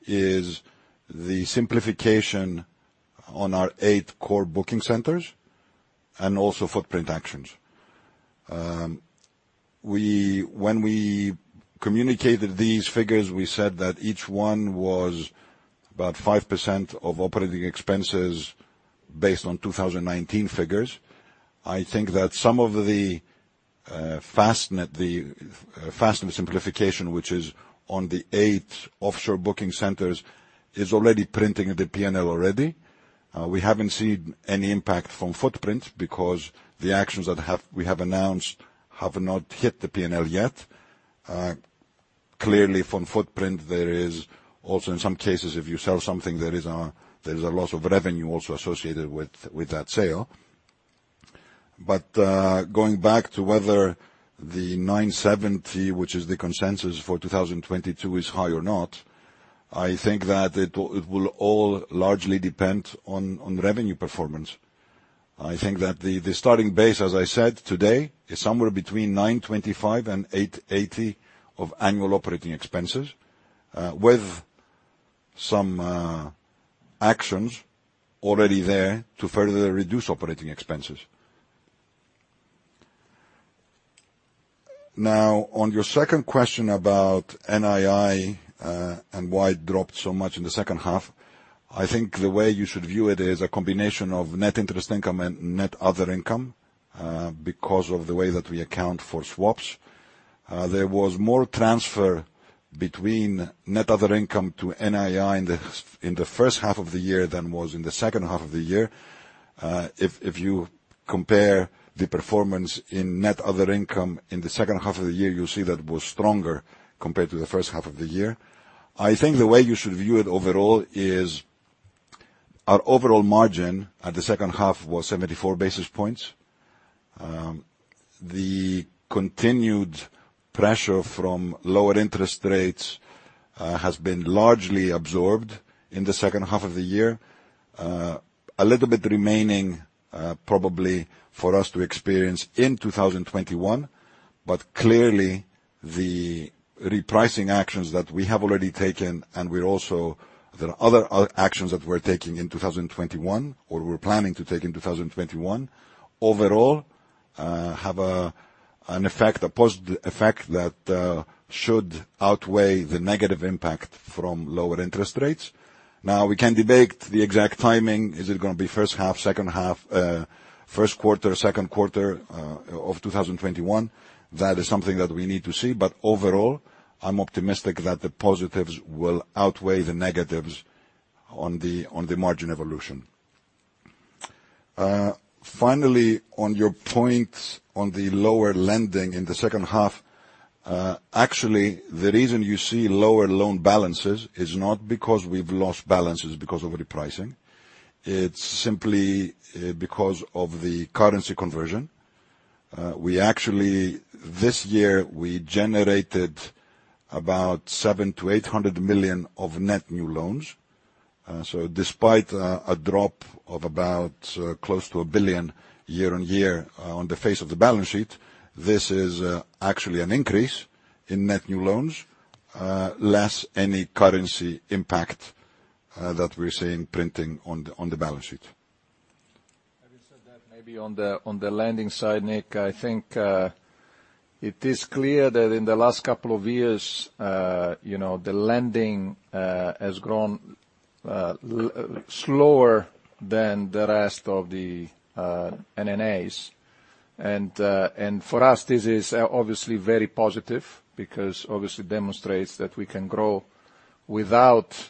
D: is the simplification on our eight core booking centers and also footprint actions. When we communicated these figures, we said that each one was about 5% of operating expenses based on 2019 figures. I think that some of the FastNet simplification, which is on the eight offshore booking centers, is already printing the P&L already. We haven't seen any impact from footprint because the actions that we have announced have not hit the P&L yet. Clearly from footprint, there is also, in some cases, if you sell something, there is a loss of revenue also associated with that sale. Going back to whether the 970, which is the consensus for 2022, is high or not, I think that it will all largely depend on revenue performance. I think that the starting base, as I said today, is somewhere between 925 and 880 of annual operating expenses, with some actions already there to further reduce operating expenses. On your second question about NII and why it dropped so much in the second half, I think the way you should view it is a combination of net interest income and net other income, because of the way that we account for swaps. There was more transfer between net other income to NII in the first half of the year than was in the second half of the year. If you compare the performance in net other income in the second half of the year, you'll see that it was stronger compared to the first half of the year. I think the way you should view it overall is our overall margin at the second half was 74 basis points. The continued pressure from lower interest rates has been largely absorbed in the second half of the year. A little bit remaining probably for us to experience in 2021, but clearly the repricing actions that we have already taken, and there are other actions that we're taking in 2021, or we're planning to take in 2021, overall, have a positive effect that should outweigh the negative impact from lower interest rates. Now we can debate the exact timing. Is it going to be first half, second half, first quarter, second quarter of 2021? That is something that we need to see, but overall, I'm optimistic that the positives will outweigh the negatives on the margin evolution. Finally, on your points on the lower lending in the second half, actually, the reason you see lower loan balances is not because we've lost balances because of repricing. It's simply because of the currency conversion. This year, we generated about 700 million-800 million of net new loans. Despite a drop of about close to 1 billion year-over-year on the face of the balance sheet, this is actually an increase in net new loans, less any currency impact that we're seeing printing on the balance sheet.
C: Having said that, maybe on the lending side, Nick, I think it is clear that in the last couple of years, the lending has grown slower than the rest of the NNAs. For us, this is obviously very positive because obviously demonstrates that we can grow without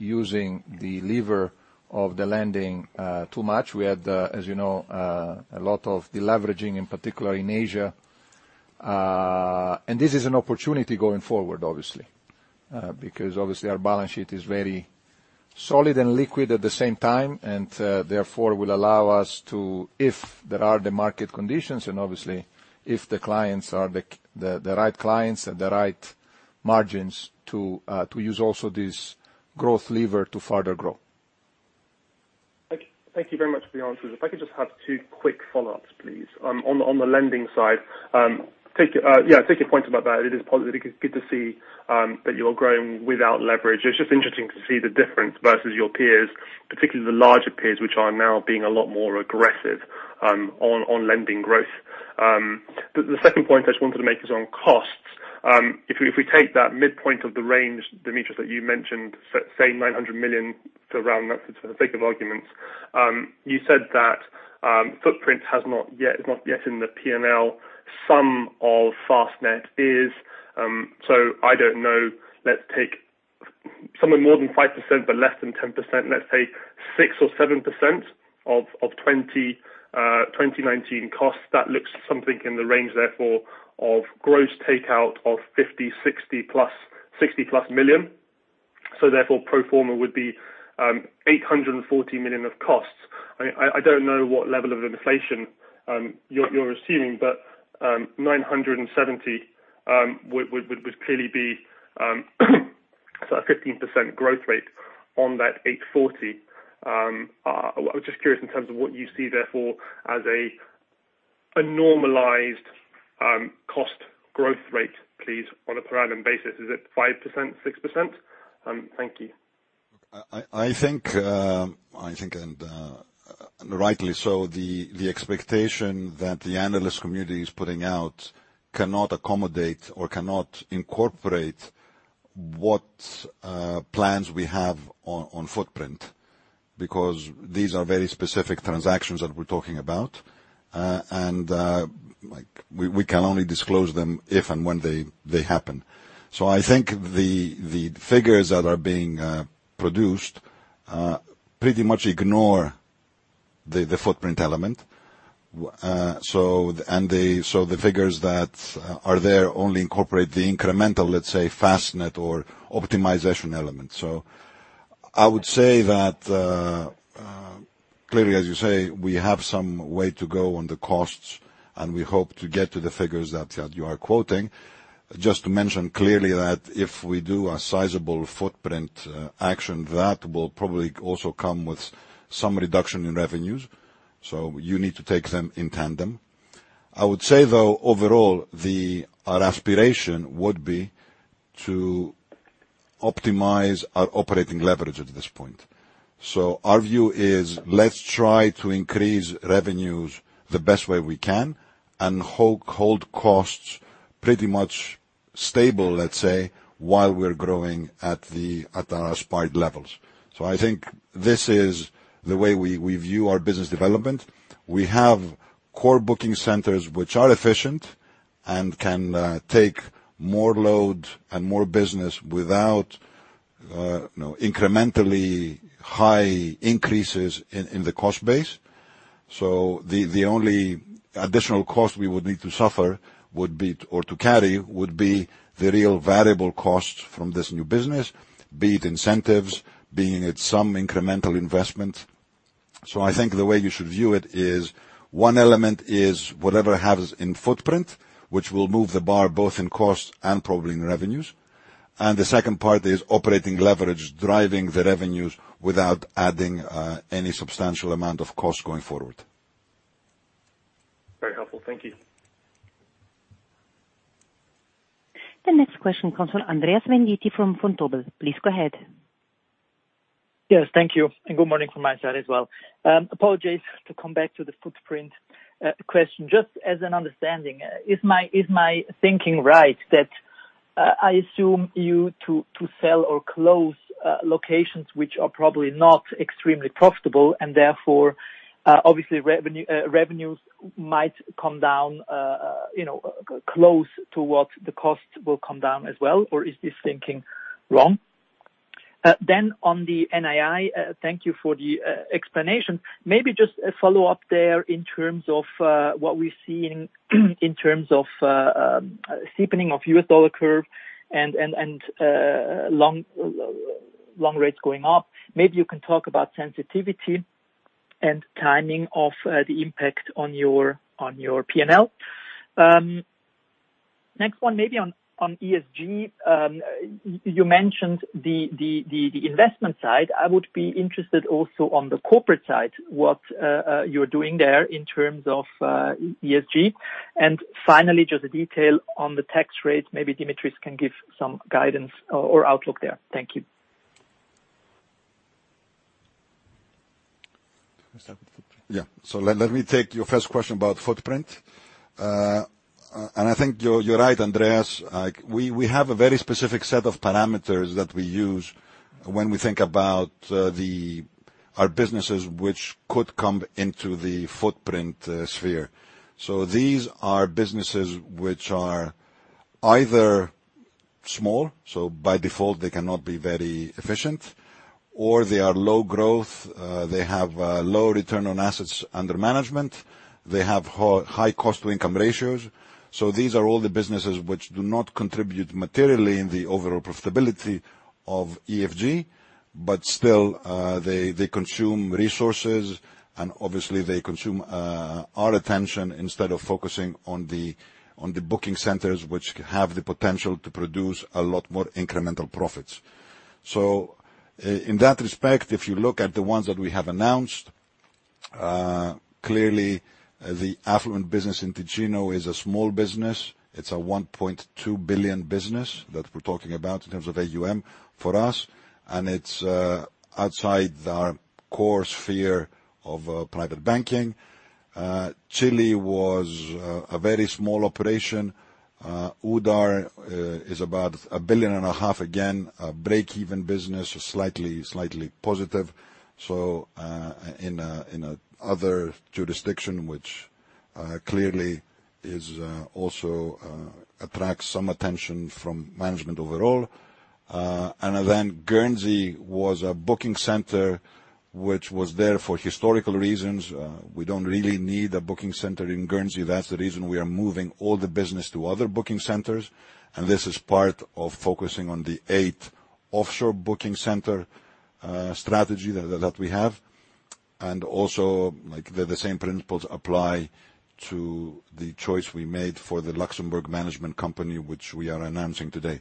C: using the lever of the lending too much. We had, as you know, a lot of deleveraging, in particular in Asia. This is an opportunity going forward, obviously. Obviously our balance sheet is very solid and liquid at the same time, and therefore will allow us to, if there are the market conditions, and obviously if the clients are the right clients at the right margins to use also this growth lever to further grow.
E: Thank you very much for your answers. If I could just have two quick follow-ups, please. On the lending side, I take your point about that. It is good to see that you are growing without leverage. It is just interesting to see the difference versus your peers, particularly the larger peers, which are now being a lot more aggressive on lending growth. The second point I just wanted to make is on costs. If we take that midpoint of the range, Dimitris, that you mentioned, say 900 million to round up for the sake of arguments. You said that Footprint is not yet in the P&L. Some of FastNet is, I don't know. Let's take somewhere more than 5% but less than 10%, let's say 6% or 7% of 2019 costs. That looks something in the range, therefore, of gross takeout of 50 million, 60 plus million. Therefore, pro forma would be 840 million of costs. I don't know what level of inflation you're assuming, 970 would clearly be a 15% growth rate on that 840. I was just curious in terms of what you see therefore as a normalized cost growth rate, please, on a per annum basis, is it 5%, 6%? Thank you.
D: I think, and rightly so, the expectation that the analyst community is putting out cannot accommodate or cannot incorporate what plans we have on footprint, because these are very specific transactions that we're talking about. We can only disclose them if and when they happen. I think the figures that are being produced pretty much ignore the footprint element. The figures that are there only incorporate the incremental, let's say, FastNet or optimization element. I would say that, clearly, as you say, we have some way to go on the costs, and we hope to get to the figures that you are quoting. Just to mention clearly that if we do a sizable footprint action, that will probably also come with some reduction in revenues. You need to take them in tandem. I would say, though, overall, our aspiration would be to optimize our operating leverage at this point. Our view is let's try to increase revenues the best way we can and hold costs pretty much stable, let's say, while we're growing at our aspired levels. I think this is the way we view our business development. We have core booking centers which are efficient and can take more load and more business without incrementally high increases in the cost base. The only additional cost we would need to suffer or to carry would be the real variable costs from this new business, be it incentives, be it some incremental investment. I think the way you should view it is one element is whatever happens in footprint, which will move the bar both in cost and probably in revenues. The second part is operating leverage, driving the revenues without adding any substantial amount of cost going forward.
E: Very helpful. Thank you.
A: The next question comes from Andreas Venditti from Vontobel. Please go ahead.
F: Yes. Thank you. Good morning from my side as well. Apologies to come back to the footprint question. Just as an understanding, is my thinking right that I assume you to sell or close locations which are probably not extremely profitable and therefore, obviously revenues might come down, close to what the cost will come down as well? Or is this thinking wrong? On the NII, thank you for the explanation. Maybe just a follow-up there in terms of what we're seeing in terms of steepening of U.S. dollar curve and long rates going up. Maybe you can talk about sensitivity and timing of the impact on your P&L. Next one, maybe on ESG, you mentioned the investment side. I would be interested also on the corporate side, what you're doing there in terms of ESG. Finally, just a detail on the tax rate. Maybe Dimitris can give some guidance or outlook there. Thank you.
D: Can I start with footprint? Yeah. Let me take your first question about footprint. I think you're right, Andreas. We have a very specific set of parameters that we use when we think about our businesses, which could come into the footprint sphere. These are businesses which are either small, so by default they cannot be very efficient, or they are low growth, they have low return on assets under management. They have high cost to income ratios. These are all the businesses which do not contribute materially in the overall profitability of EFG, but still, they consume resources and obviously they consume our attention instead of focusing on the booking centers, which have the potential to produce a lot more incremental profits. In that respect, if you look at the ones that we have announced, clearly the affluent business in Ticino is a small business. It is a 1.2 billion business that we are talking about in terms of AUM for us, and it is outside our core sphere of private banking. Chile was a very small operation. Oudart is about 1.5 billion, again, a break-even business, slightly positive. In other jurisdiction, which clearly also attracts some attention from management overall. Guernsey was a booking center, which was there for historical reasons. We do not really need a booking center in Guernsey. That's the reason we are moving all the business to other booking centers. This is part of focusing on the eight offshore booking center strategy that we have. Also, the same principles apply to the choice we made for the Luxembourg management company, which we are announcing today.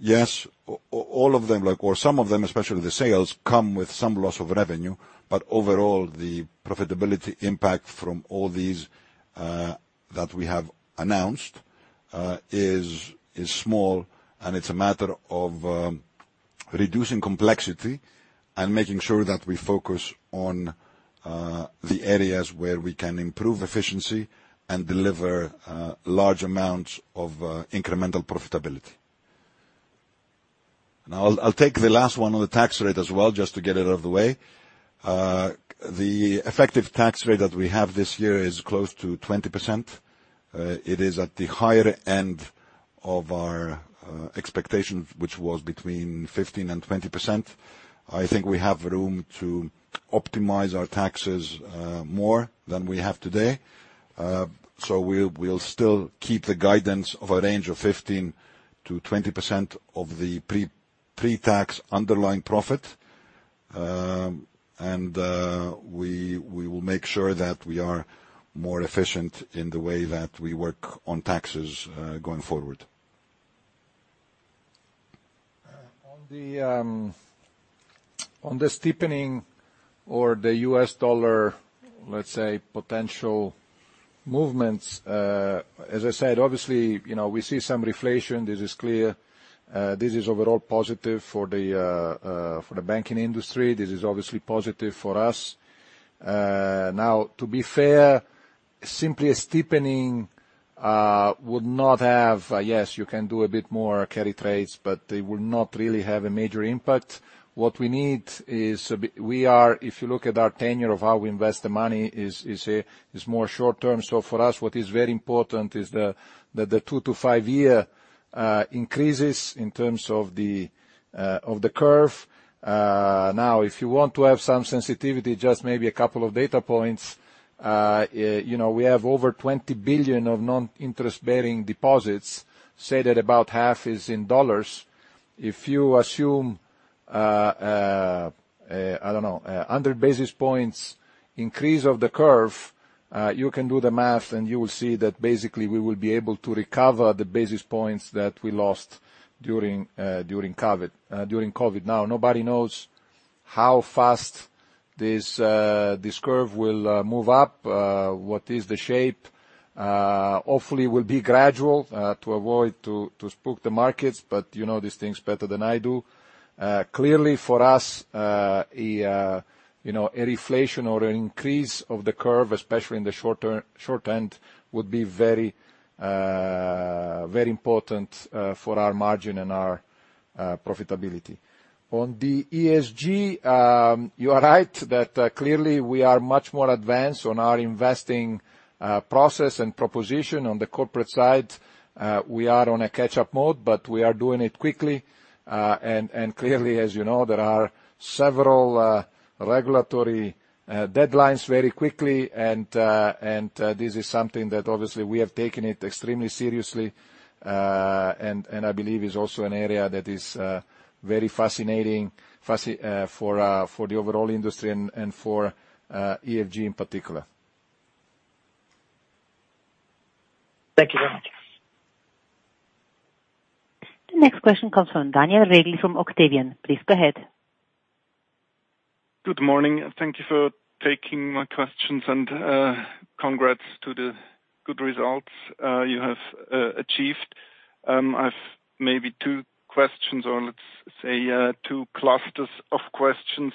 D: Yes, all of them, or some of them, especially the sales, come with some loss of revenue, but overall, the profitability impact from all these that we have announced is small, and it's a matter of reducing complexity and making sure that we focus on the areas where we can improve efficiency and deliver large amounts of incremental profitability. I'll take the last one on the tax rate as well, just to get it out of the way. The effective tax rate that we have this year is close to 20%. It is at the higher end of our expectation, which was between 15% and 20%. I think we have room to optimize our taxes more than we have today. We'll still keep the guidance of a range of 15%-20% of the pre-tax underlying profit. We will make sure that we are more efficient in the way that we work on taxes going forward.
C: On the steepening or the US dollar, let's say, potential movements, as I said, obviously, we see some reflation. This is clear. This is overall positive for the banking industry. This is obviously positive for us. Now, to be fair, simply a steepening would not have Yes, you can do a bit more carry trades, but they would not really have a major impact. What we need is, if you look at our tenure of how we invest the money, it's more short-term. For us, what is very important is that the two to five year increases in terms of the curve. If you want to have some sensitivity, just maybe a couple of data points. We have over 20 billion of non-interest-bearing deposits, say that about half is in U.S. dollars. If you assume, I don't know, 100 basis points increase of the curve, you can do the math, and you will see that basically we will be able to recover the basis points that we lost during COVID. Nobody knows how fast this curve will move up, what is the shape. Hopefully, it will be gradual, to avoid to spook the markets, but you know these things better than I do. Clearly for us, a reflation or an increase of the curve, especially in the short end, would be very important for our margin and our profitability. On the ESG, you are right that clearly we are much more advanced on our investing process and proposition. On the corporate side, we are on a catch-up mode, but we are doing it quickly. Clearly, as you know, there are several regulatory deadlines very quickly, and this is something that obviously we have taken it extremely seriously, and I believe is also an area that is very fascinating for the overall industry and for EFG in particular.
F: Thank you very much.
A: The next question comes from Daniel Regli from Octavian. Please go ahead.
G: Good morning. Thank you for taking my questions, and congrats to the good results you have achieved. I've maybe two questions, or let's say two clusters of questions.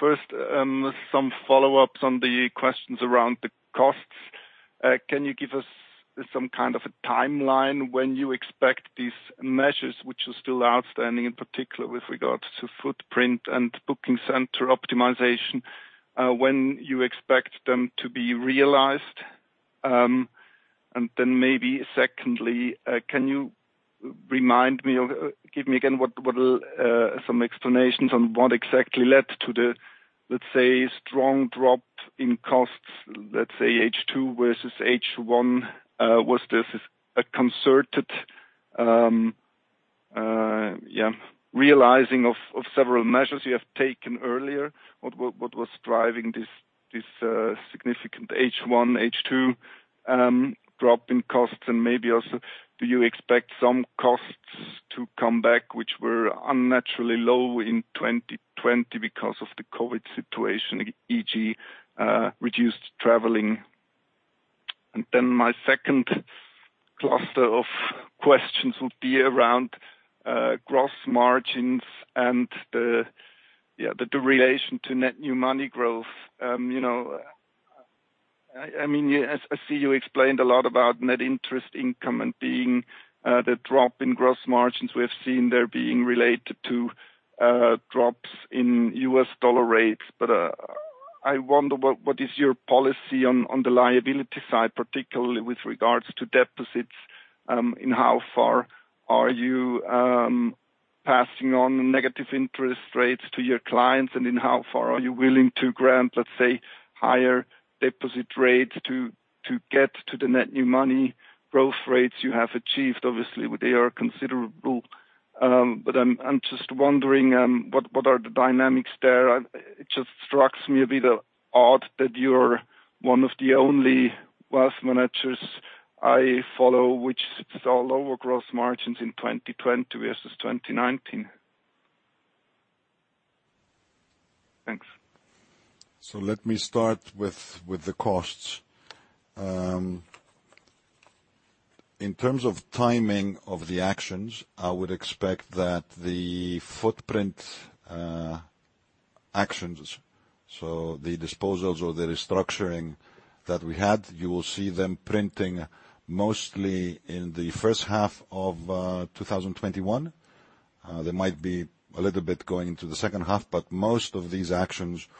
G: First, some follow-ups on the questions around the costs. Can you give us some kind of a timeline when you expect these measures, which are still outstanding, in particular with regards to Footprint and booking center optimization, when you expect them to be realized? Maybe secondly, can you remind me or give me again some explanations on what exactly led to the, let's say, strong drop in costs, let's say H2 versus H1? Was this a concerted realizing of several measures you have taken earlier? What was driving this significant H1, H2 drop in costs? Maybe also, do you expect some costs to come back, which were unnaturally low in 2020 because of the COVID situation, e.g., reduced traveling? My second cluster of questions would be around gross margins and the relation to net new money growth. I see you explained a lot about net interest income and the drop in gross margins we have seen there being related to drops in U.S. dollar rates. I wonder, what is your policy on the liability side, particularly with regards to deficits? In how far are you passing on negative interest rates to your clients, and in how far are you willing to grant, let's say, higher deposit rates to get to the net new money growth rates you have achieved? Obviously, they are considerable. I'm just wondering what are the dynamics there? It just strikes me a bit odd that you're one of the only wealth managers I follow, which saw lower gross margins in 2020 versus 2019. Thanks.
D: Let me start with the costs. In terms of timing of the actions, I would expect that the footprint actions, so the disposals or the restructuring that we had, you will see them printing mostly in the first half of 2021. There might be a little bit going into the second half, but most of these actions will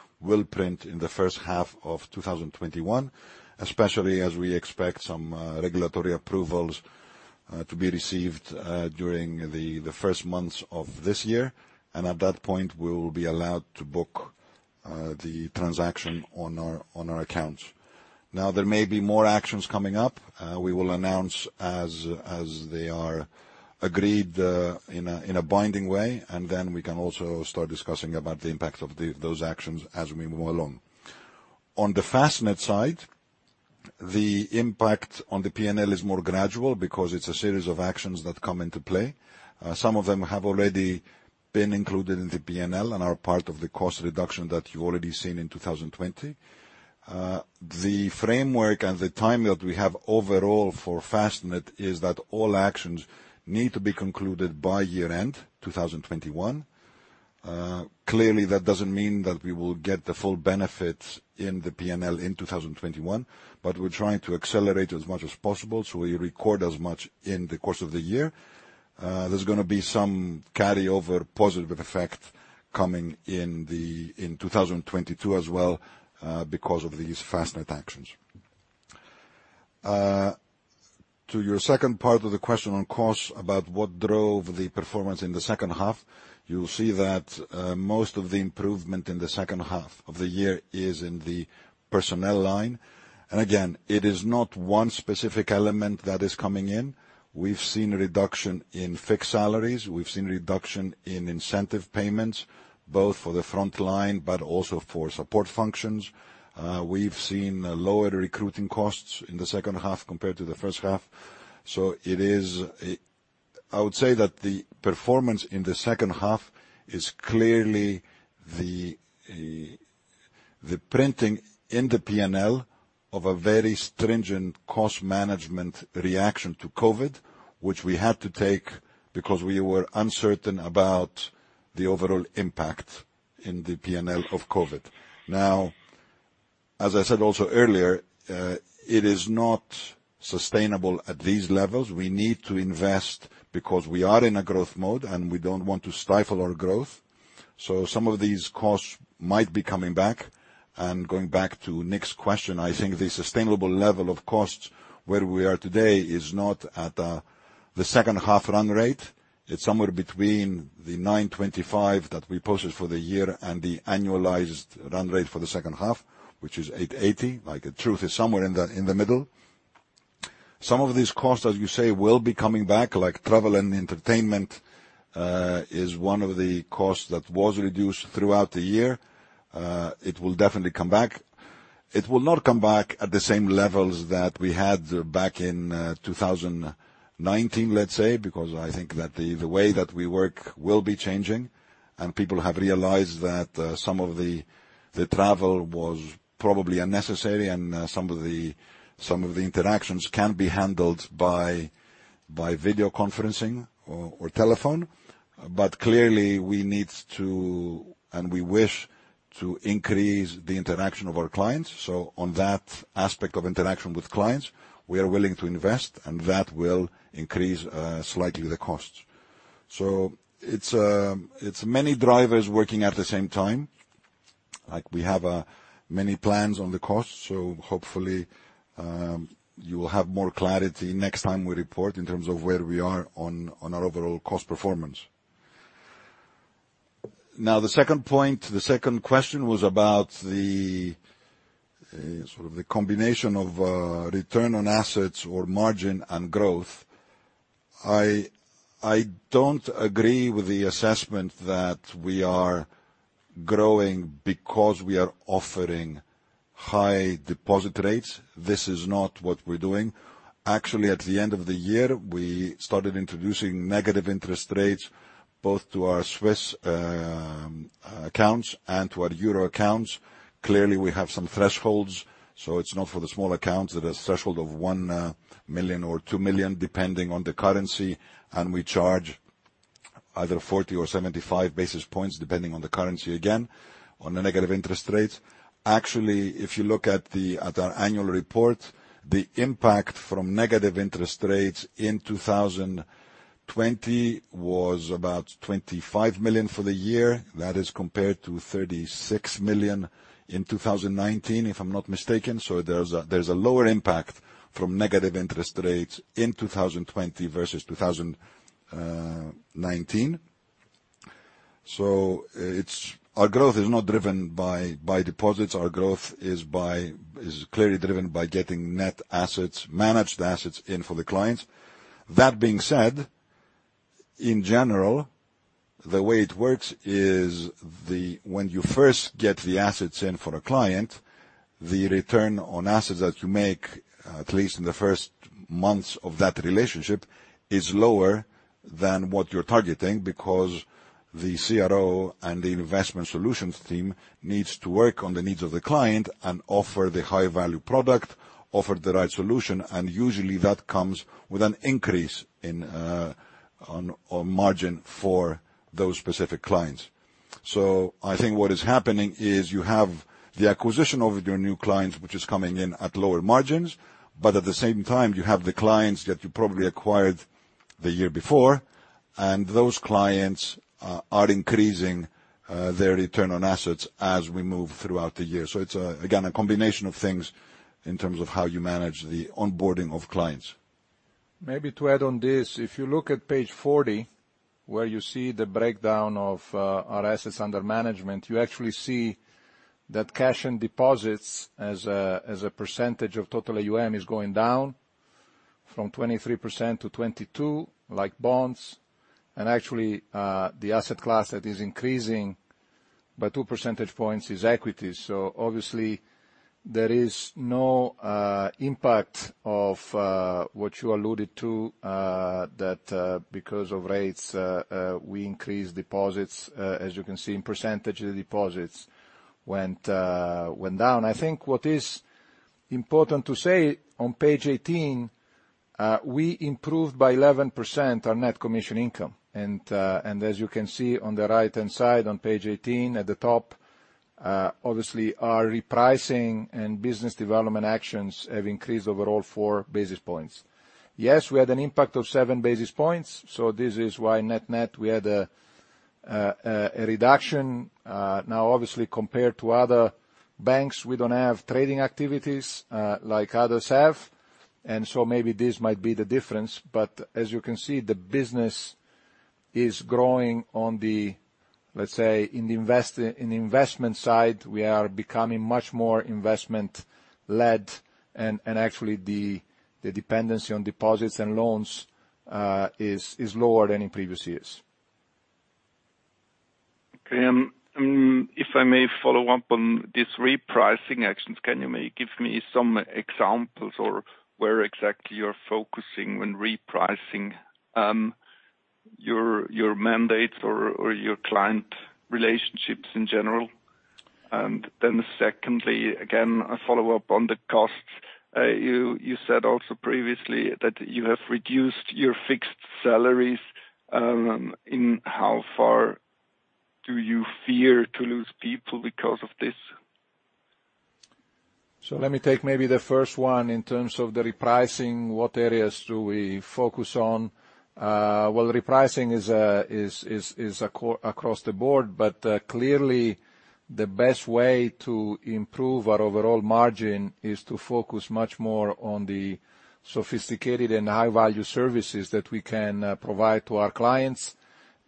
D: print in the first half of 2021, especially as we expect some regulatory approvals to be received during the first months of this year. At that point, we will be allowed to book the transaction on our accounts. There may be more actions coming up. We will announce as they are agreed in a binding way, and then we can also start discussing about the impact of those actions as we move along. On the FastNet side, the impact on the P&L is more gradual because it's a series of actions that come into play. Some of them have already been included in the P&L and are part of the cost reduction that you've already seen in 2020. The framework and the timing that we have overall for FastNet is that all actions need to be concluded by year-end 2021. Clearly, that doesn't mean that we will get the full benefit in the P&L in 2021, but we're trying to accelerate as much as possible, so we record as much in the course of the year. There's going to be some carryover positive effect coming in 2022 as well because of these FastNet actions. To your second part of the question on costs about what drove the performance in the second half, you will see that most of the improvement in the second half of the year is in the personnel line. Again, it is not one specific element that is coming in. We have seen a reduction in fixed salaries. We have seen reduction in incentive payments, both for the front line but also for support functions. We have seen lower recruiting costs in the second half compared to the first half. I would say that the performance in the second half is clearly the printing in the P&L of a very stringent cost management reaction to COVID, which we had to take because we were uncertain about the overall impact in the P&L of COVID. As I said also earlier, it is not sustainable at these levels. We need to invest because we are in a growth mode, and we don't want to stifle our growth. Some of these costs might be coming back and going back to Nick's question, I think the sustainable level of costs where we are today is not at the second half run rate. It's somewhere between the 925 that we posted for the year and the annualized run rate for the second half, which is 880. Truth is somewhere in the middle. Some of these costs, as you say, will be coming back, like travel and entertainment is one of the costs that was reduced throughout the year. It will definitely come back. It will not come back at the same levels that we had back in 2019, let's say, because I think that the way that we work will be changing, and people have realized that some of the travel was probably unnecessary and some of the interactions can be handled by video conferencing or telephone. Clearly, we need to, and we wish to increase the interaction of our clients. On that aspect of interaction with clients, we are willing to invest, and that will increase slightly the costs. It's many drivers working at the same time, like we have many plans on the cost, hopefully, you will have more clarity next time we report in terms of where we are on our overall cost performance. Now, the second point, the second question was about the combination of return on assets or margin and growth. I don't agree with the assessment that we are growing because we are offering high deposit rates. This is not what we're doing. Actually, at the end of the year, we started introducing negative interest rates, both to our CHF accounts and to our EUR accounts. Clearly, we have some thresholds, so it's not for the small accounts. There's a threshold of 1 million or 2 million, depending on the currency, and we charge either 40 or 75 basis points, depending on the currency again, on the negative interest rates. Actually, if you look at our annual report, the impact from negative interest rates in 2020 was about 25 million for the year. That is compared to 36 million in 2019, if I'm not mistaken. There's a lower impact from negative interest rates in 2020 versus 2019. Our growth is not driven by deposits. Our growth is clearly driven by getting net assets, managed assets in for the clients. That being said, in general, the way it works is when you first get the assets in for a client, the return on assets that you make, at least in the first months of that relationship, is lower than what you're targeting, because the CRO and the investment solutions team needs to work on the needs of the client and offer the high-value product, offer the right solution, and usually that comes with an increase in margin for those specific clients. I think what is happening is you have the acquisition of your new clients, which is coming in at lower margins, but at the same time, you have the clients that you probably acquired the year before, and those clients are increasing their return on assets as we move throughout the year. It's, again, a combination of things in terms of how you manage the onboarding of clients.
C: Maybe to add on this, if you look at page 40, where you see the breakdown of our assets under management, you actually see that cash and deposits as a percentage of total AUM is going down from 23%-22%, like bonds. Actually, the asset class that is increasing by 2 percentage points is equities. Obviously there is no impact of what you alluded to, that because of rates, we increase deposits. As you can see, in percentage, the deposits went down. I think what is important to say, on page 18, we improved by 11% our net commission income. As you can see on the right-hand side on page 18, at the top, obviously, our repricing and business development actions have increased overall 4 basis points. Yes, we had an impact of 7 basis points, so this is why net-net, we had a reduction. Obviously, compared to other banks, we don't have trading activities like others have, and so maybe this might be the difference. As you can see, the business is growing on the, let's say, in the investment side, we are becoming much more investment-led, and actually, the dependency on deposits and loans is lower than in previous years.
G: Okay. If I may follow up on these repricing actions, can you maybe give me some examples or where exactly you're focusing when repricing your mandates or your client relationships in general? Secondly, again, a follow-up on the costs. You said also previously that you have reduced your fixed salaries. In how far do you fear to lose people because of this?
C: Let me take maybe the first one in terms of the repricing, what areas do we focus on? Repricing is across the board, but clearly the best way to improve our overall margin is to focus much more on the sophisticated and high-value services that we can provide to our clients.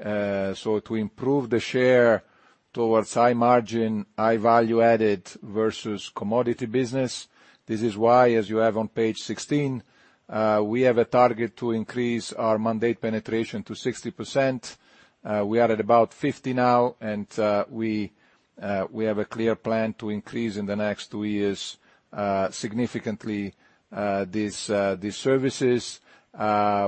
C: To improve the share towards high margin, high value-added versus commodity business. This is why, as you have on page 16, we have a target to increase our mandate penetration to 60%. We are at about 50 now, and we have a clear plan to increase in the next two years, significantly, these services.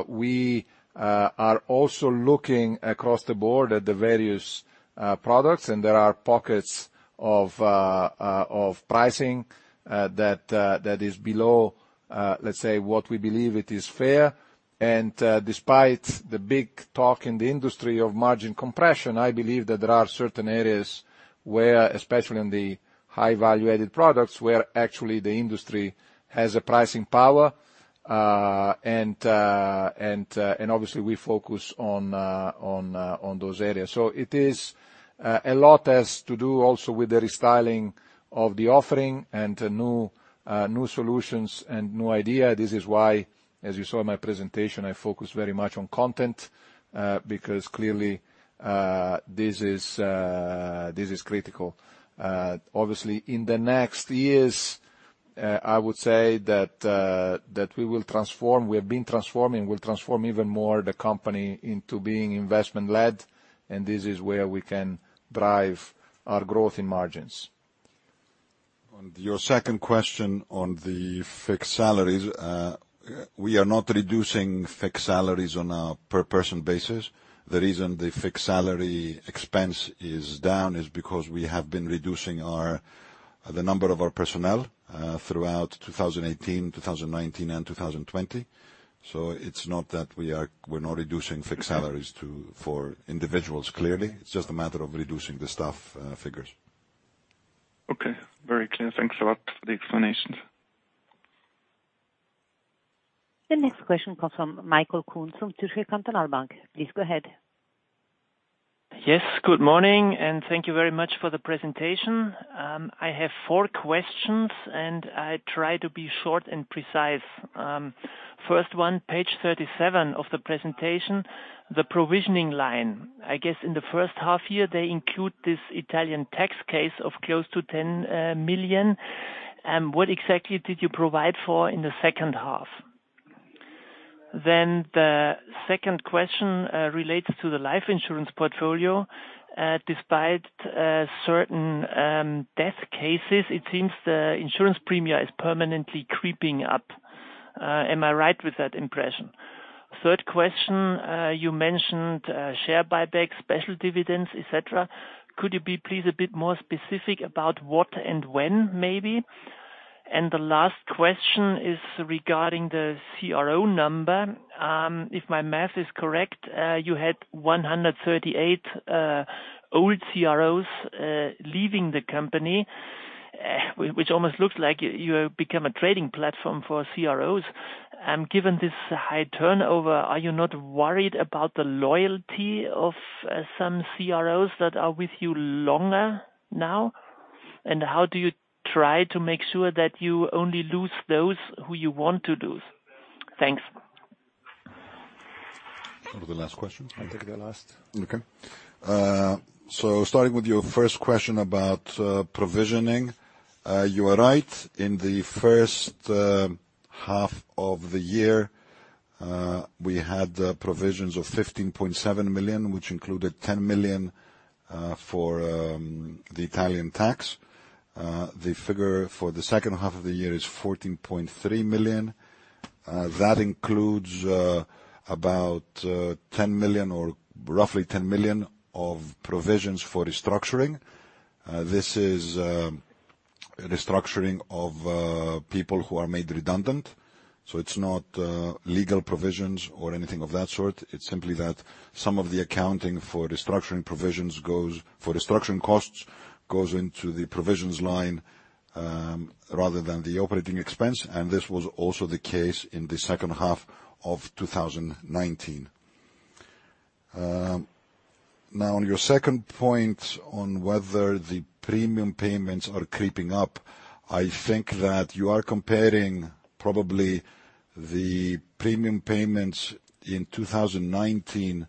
C: We are also looking across the board at the various products, and there are pockets of pricing that is below, let's say, what we believe it is fair. Despite the big talk in the industry of margin compression, I believe that there are certain areas where, especially in the high value-added products, where actually the industry has a pricing power. Obviously, we focus on those areas. A lot has to do also with the restyling of the offering and new solutions and new idea. This is why, as you saw in my presentation, I focus very much on content, because clearly, this is critical. Obviously, in the next years, I would say that we will transform. We have been transforming, we will transform even more the company into being investment-led, and this is where we can drive our growth in margins.
D: On your second question on the fixed salaries, we are not reducing fixed salaries on a per person basis. The reason the fixed salary expense is down is because we have been reducing the number of our personnel throughout 2018, 2019, and 2020. It's not that we're not reducing fixed salaries for individuals, clearly. It's just a matter of reducing the staff figures.
G: Okay. Very clear. Thanks a lot for the explanations.
A: The next question comes from Michael Kunz from Zürcher Kantonalbank. Please go ahead.
H: Yes, good morning. Thank you very much for the presentation. I have four questions, and I try to be short and precise. First one, page 37 of the presentation, the provisioning line. I guess in the first half year, they include this Italian tax case of close to 10 million. What exactly did you provide for in the second half? The second question relates to the life insurance portfolio. Despite certain death cases, it seems the insurance premium is permanently creeping up. Am I right with that impression? Third question, you mentioned share buybacks, special dividends, et cetera. Could you be please a bit more specific about what and when maybe? The last question is regarding the CRO number. If my math is correct, you had 138 old CROs leaving the company, which almost looks like you have become a trading platform for CROs. Given this high turnover, are you not worried about the loyalty of some CROs that are with you longer now? How do you try to make sure that you only lose those who you want to lose? Thanks.
D: Go to the last question.
C: I'll take the last.
D: Okay. Starting with your first question about provisioning. You are right. In the first half of the year, we had provisions of 15.7 million, which included 10 million for the Italian tax. The figure for the second half of the year is 14.3 million. That includes about 10 million or roughly 10 million of provisions for restructuring. This is restructuring of people who are made redundant. It's not legal provisions or anything of that sort. It's simply that some of the accounting for restructuring costs goes into the provisions line, rather than the operating expense, and this was also the case in the second half of 2019. Now, on your second point on whether the premium payments are creeping up, I think that you are comparing probably the premium payments in 2019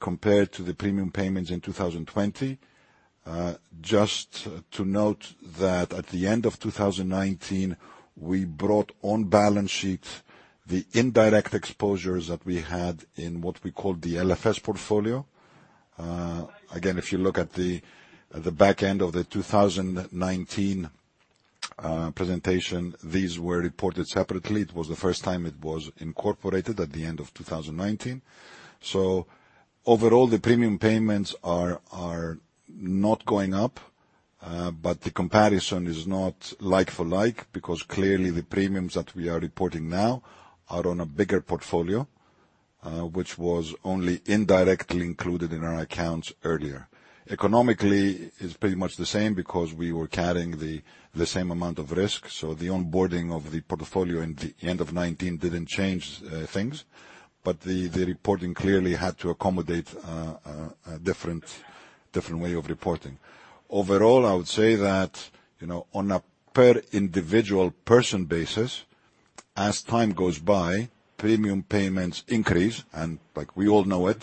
D: compared to the premium payments in 2020. Just to note that at the end of 2019, we brought on balance sheet the indirect exposures that we had in what we called the LFS portfolio. Again, if you look at the back end of the 2019 presentation, these were reported separately. It was the first time it was incorporated at the end of 2019. Overall, the premium payments are not going up, but the comparison is not like for like, because clearly the premiums that we are reporting now are on a bigger portfolio, which was only indirectly included in our accounts earlier. Economically, it's pretty much the same because we were carrying the same amount of risk, so the onboarding of the portfolio in the end of 2019 didn't change things. The reporting clearly had to accommodate a different way of reporting. Overall, I would say that, on a per individual person basis, as time goes by, premium payments increase, and like we all know it,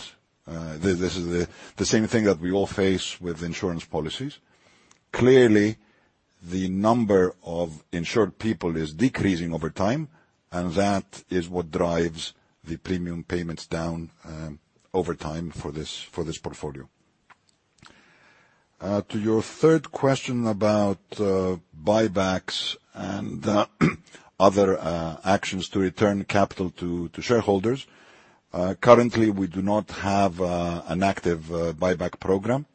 D: this is the same thing that we all face with insurance policies. Clearly, the number of insured people is decreasing over time, and that is what drives the premium payments down over time for this portfolio. To your third question about buybacks and other actions to return capital to shareholders. Currently, we do not have an active buyback program.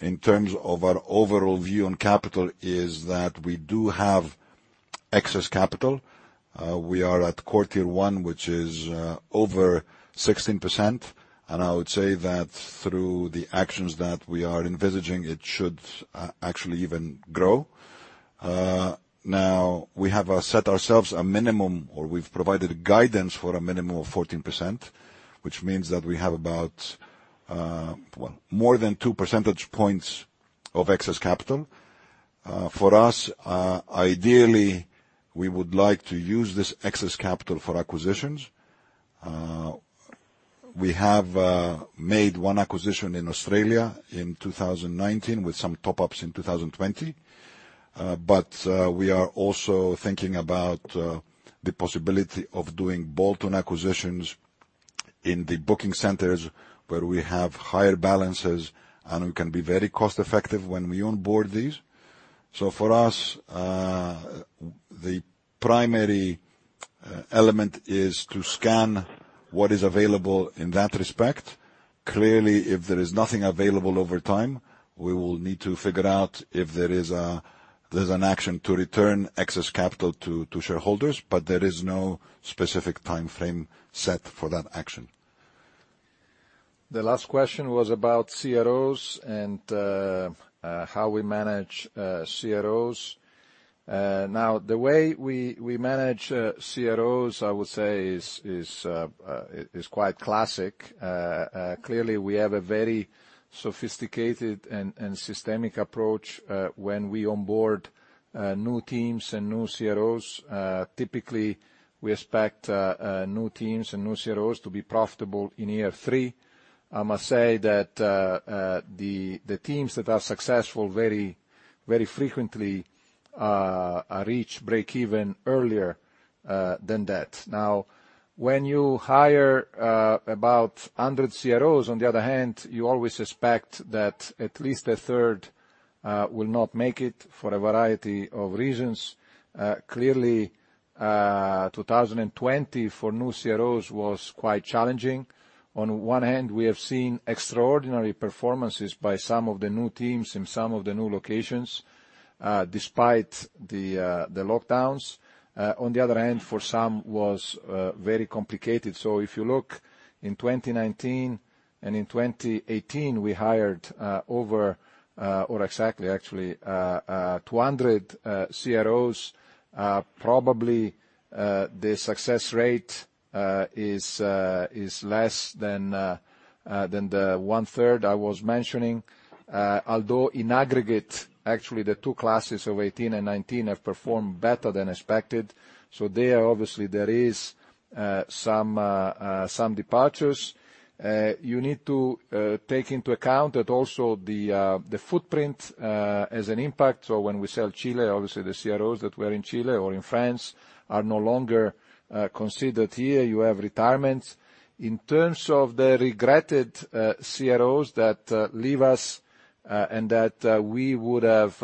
D: In terms of our overall view on capital is that we do have excess capital. We are at quarter one, which is over 16%, and I would say that through the actions that we are envisaging, it should actually even grow. We have set ourselves a minimum or we've provided guidance for a minimum of 14%, which means that we have about more than two percentage points of excess capital. For us, ideally, we would like to use this excess capital for acquisitions. We have made one acquisition in Australia in 2019 with some top-ups in 2020. We are also thinking about the possibility of doing bolt-on acquisitions in the booking centers where we have higher balances, and we can be very cost-effective when we onboard these. For us, the primary element is to scan what is available in that respect. Clearly, if there is nothing available over time, we will need to figure out if there's an action to return excess capital to shareholders, but there is no specific timeframe set for that action.
C: The last question was about CROs and how we manage CROs The way we manage CROs, I would say, is quite classic. Clearly, we have a very sophisticated and systemic approach when we onboard new teams and new CROs. Typically, we expect new teams and new CROs to be profitable in year three. I must say that the teams that are successful very frequently reach breakeven earlier than that. When you hire about 100 CROs, on the other hand, you always expect that at least a third will not make it for a variety of reasons. Clearly, 2020 for new CROs was quite challenging. On one hand, we have seen extraordinary performances by some of the new teams in some of the new locations, despite the lockdowns. On the other hand, for some was very complicated. If you look in 2019 and in 2018, we hired over or exactly actually 200 CROs. In aggregate, actually, the two classes of 2018 and 2019 have performed better than expected. There, obviously, there is some departures. You need to take into account that also the footprint has an impact. When we sell Chile, obviously the CROs that were in Chile or in France are no longer considered here. You have retirements. In terms of the regretted CROs that leave us, and that we would have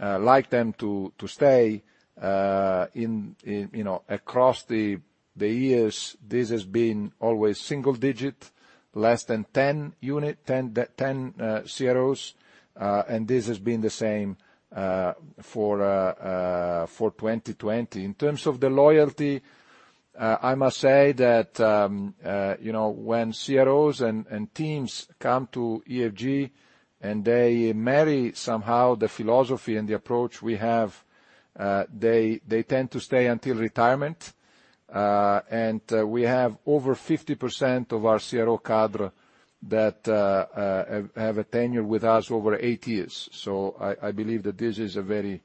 C: liked them to stay, across the years, this has been always single digit, less than 10 CROs, and this has been the same for 2020. In terms of the loyalty, I must say that when CROs and teams come to EFG and they marry somehow the philosophy and the approach we have, they tend to stay until retirement. We have over 50% of our CRO cadre that have a tenure with us over eight years. I believe that this is a very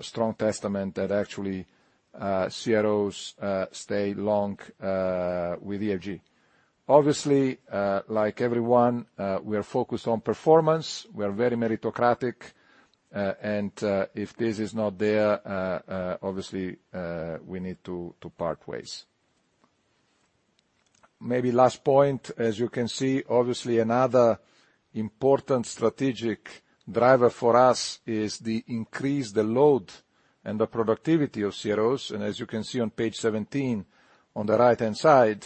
C: strong testament that actually CROs stay long with EFG. Obviously, like everyone, we are focused on performance. We are very meritocratic, and if this is not there, obviously we need to part ways. Maybe last point, as you can see, obviously another important strategic driver for us is the increase the load and the productivity of CROs. As you can see on page 17, on the right-hand side,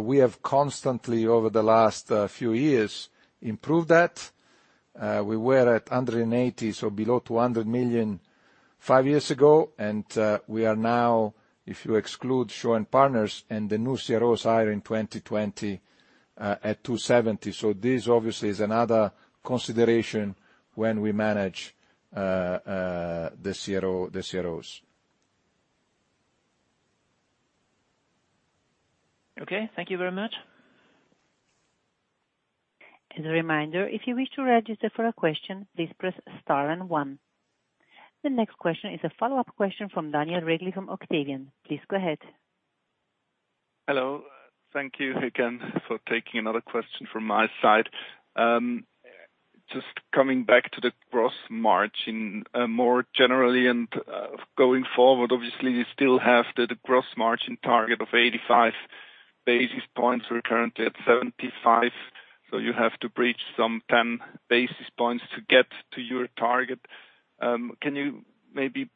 C: we have constantly over the last few years improved that. We were at 180 million, so below 200 million five years ago, and we are now, if you exclude Shaw and Partners and the new CROs hired in 2020 at 270 million. This obviously is another consideration when we manage the CROs.
H: Okay, thank you very much.
A: As a reminder, if you wish to register for a question, please press star and one. The next question is a follow-up question from Daniel Regli from Octavian. Please go ahead.
G: Hello. Thank you again for taking another question from my side. Just coming back to the gross margin, more generally, and going forward, obviously, you still have the gross margin target of 85 basis points. We're currently at 75, so you have to bridge some 10 basis points to get to your target. Can you maybe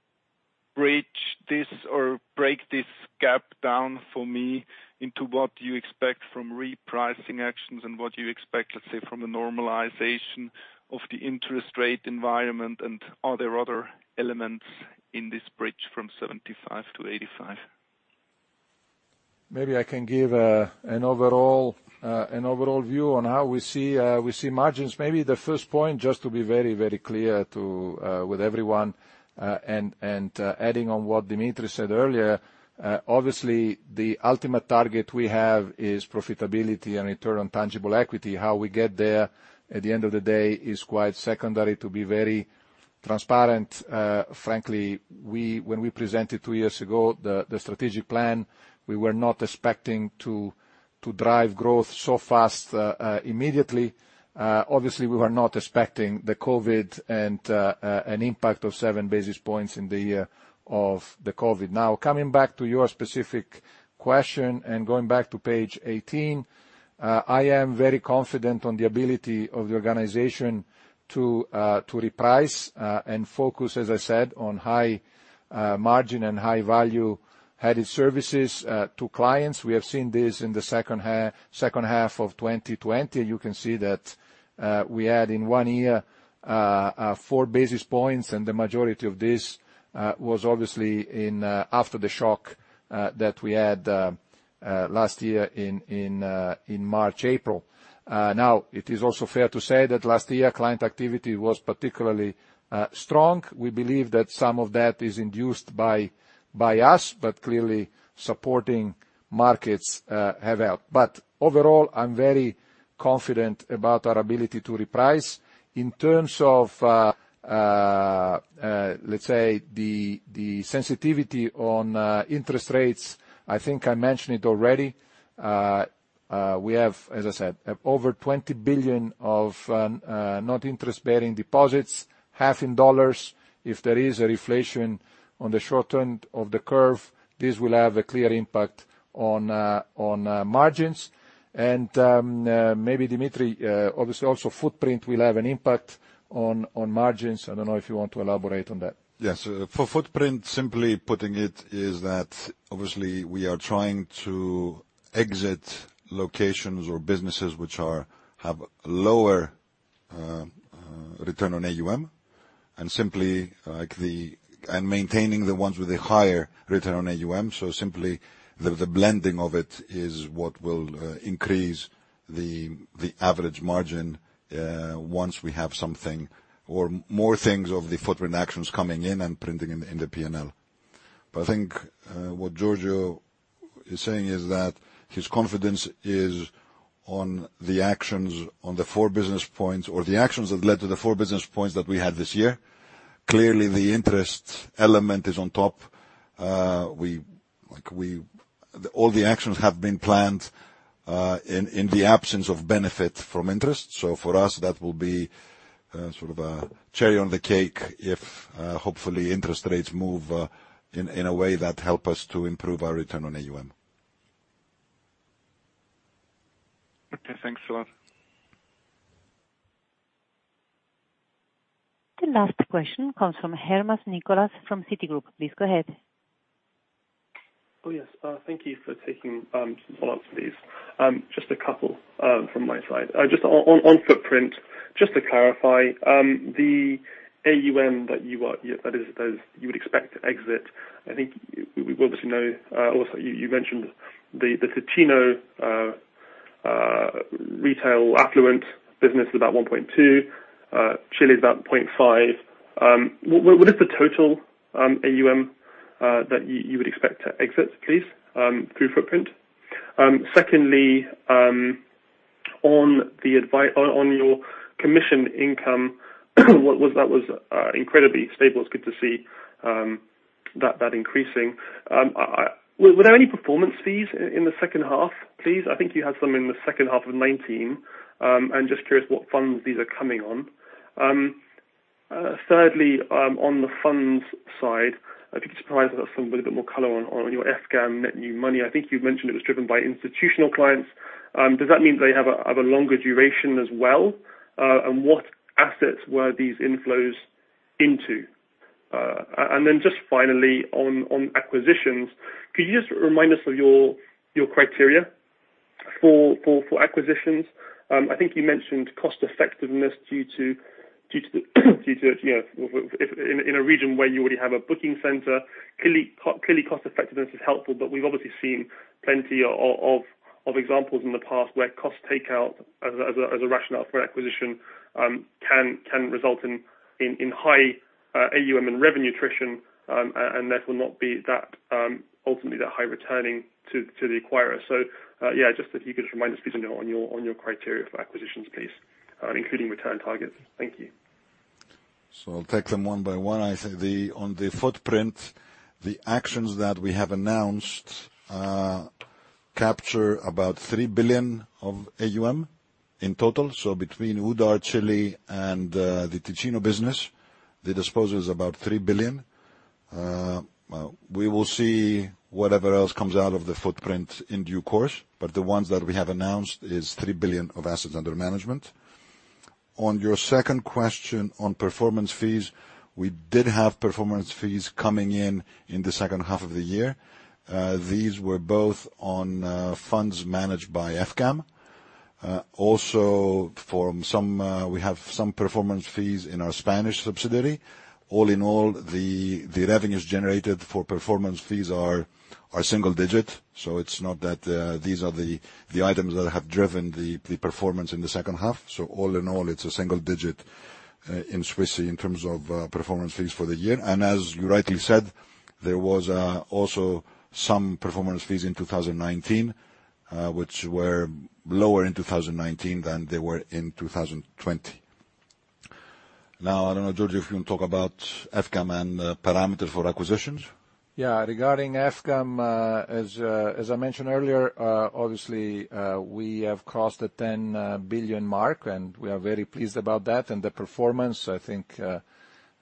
G: bridge this or break this gap down for me into what you expect from repricing actions and what you expect, let's say, from the normalization of the interest rate environment? Are there other elements in this bridge from 75-85?
C: Maybe I can give an overall view on how we see margins. Maybe the first point, just to be very clear with everyone, and adding on what Dimitris said earlier, obviously the ultimate target we have is profitability and return on tangible equity. How we get there at the end of the day is quite secondary. To be very transparent, frankly, when we presented two years ago the strategic plan, we were not expecting to drive growth so fast immediately. Obviously, we were not expecting the COVID and an impact of seven basis points in the year of the COVID. Now, coming back to your specific question and going back to page 18, I am very confident on the ability of the organization to reprice and focus, as I said, on high margin and high value added services to clients. We have seen this in the second half of 2020. You can see that we had in one year, four basis points. The majority of this was obviously after the shock-that we had last year in March, April. Now, it is also fair to say that last year, client activity was particularly strong. We believe that some of that is induced by us, but clearly supporting markets have helped. Overall, I'm very confident about our ability to reprice. In terms of, let's say, the sensitivity on interest rates, I think I mentioned it already. We have, as I said, over 20 billion of not interest-bearing deposits, half in USD. If there is a reflation on the short-term of the curve, this will have a clear impact on margins. Maybe Dimitris, obviously also footprint will have an impact on margins. I don't know if you want to elaborate on that.
D: Yes. For footprint, simply putting it is that obviously we are trying to exit locations or businesses which have lower return on AUM, and maintaining the ones with a higher return on AUM. Simply, the blending of it is what will increase the average margin once we have something or more things of the footprint actions coming in and printing in the P&L. I think what Giorgio is saying is that his confidence is on the actions on the four business points or the actions that led to the four business points that we had this year. Clearly, the interest element is on top. All the actions have been planned, in the absence of benefit from interest. For us, that will be sort of a cherry on the cake if, hopefully, interest rates move in a way that help us to improve our return on AUM.
G: Okay, thanks a lot.
A: The last question comes from Nicholas Herman from Citigroup. Please go ahead.
E: Oh, yes. Thank you for taking some follow-ups, please. Just a couple from my side. On footprint, to clarify, the AUM that you would expect to exit, I think we obviously know, also you mentioned the Ticino retail affluent business is about 1.2, Chile is about 0.5. What is the total AUM that you would expect to exit, please, through footprint? Secondly, on your commission income that was incredibly stable, it is good to see that increasing. Were there any performance fees in the second half, please? I think you had some in the second half of 2019. I am just curious what funds these are coming on. Thirdly, on the funds side, I would be surprised if that is something with a bit more color on your EFGAM net new money. I think you have mentioned it was driven by institutional clients. Does that mean they have a longer duration as well? What assets were these inflows into? Then just finally, on acquisitions, could you just remind us of your criteria for acquisitions? I think you mentioned cost effectiveness due to in a region where you already have a booking center. Clearly cost effectiveness is helpful, but we've obviously seen plenty of examples in the past where cost takeout as a rationale for an acquisition can result in high AUM and revenue attrition, and therefore not be ultimately that high returning to the acquirer. Yeah, just if you could just remind us, please, on your criteria for acquisitions, please, including return targets. Thank you.
D: I'll take them one by one. I think on the Footprint, the actions that we have announced capture about 3 billion of AUM in total. Between Oudart, Chile, and the Ticino business, the disposal is about 3 billion. We will see whatever else comes out of the Footprint in due course, but the ones that we have announced is 3 billion of assets under management. On your second question on performance fees, we did have performance fees coming in in the second half of the year. These were both on funds managed by EFGAM. Also, we have some performance fees in our Spanish subsidiary. All in all, the revenues generated for performance fees are single-digit, so it's not that these are the items that have driven the performance in the second half. All in all, it's a single digit in CHF in terms of performance fees for the year. As you rightly said, there was also some performance fees in 2019, which were lower in 2019 than they were in 2020. I don't know, Giorgio, if you want to talk about EFGAM and perimeter for acquisitions.
C: Yeah. Regarding EFGAM, as I mentioned earlier, obviously, we have crossed the 10 billion mark, and we are very pleased about that and the performance. I think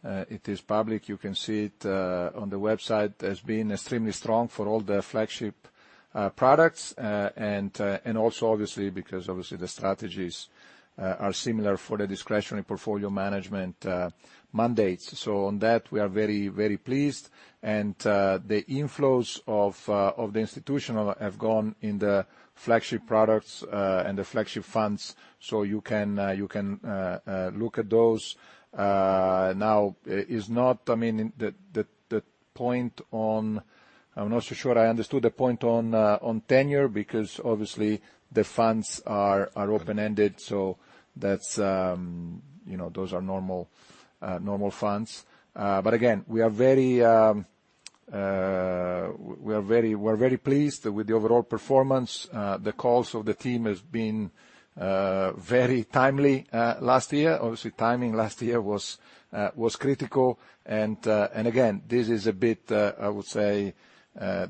C: it is public. You can see it on the website as being extremely strong for all the flagship products, and also obviously because the strategies are similar for the discretionary portfolio management mandates. On that, we are very pleased. The inflows of the institutional have gone in the flagship products and the flagship funds. You can look at those. I'm not so sure I understood the point on tenure, because obviously the funds are open-ended, so those are normal funds. Again, we are very pleased with the overall performance. The calls of the team has been very timely last year. Timing last year was critical. Again, this is a bit, I would say,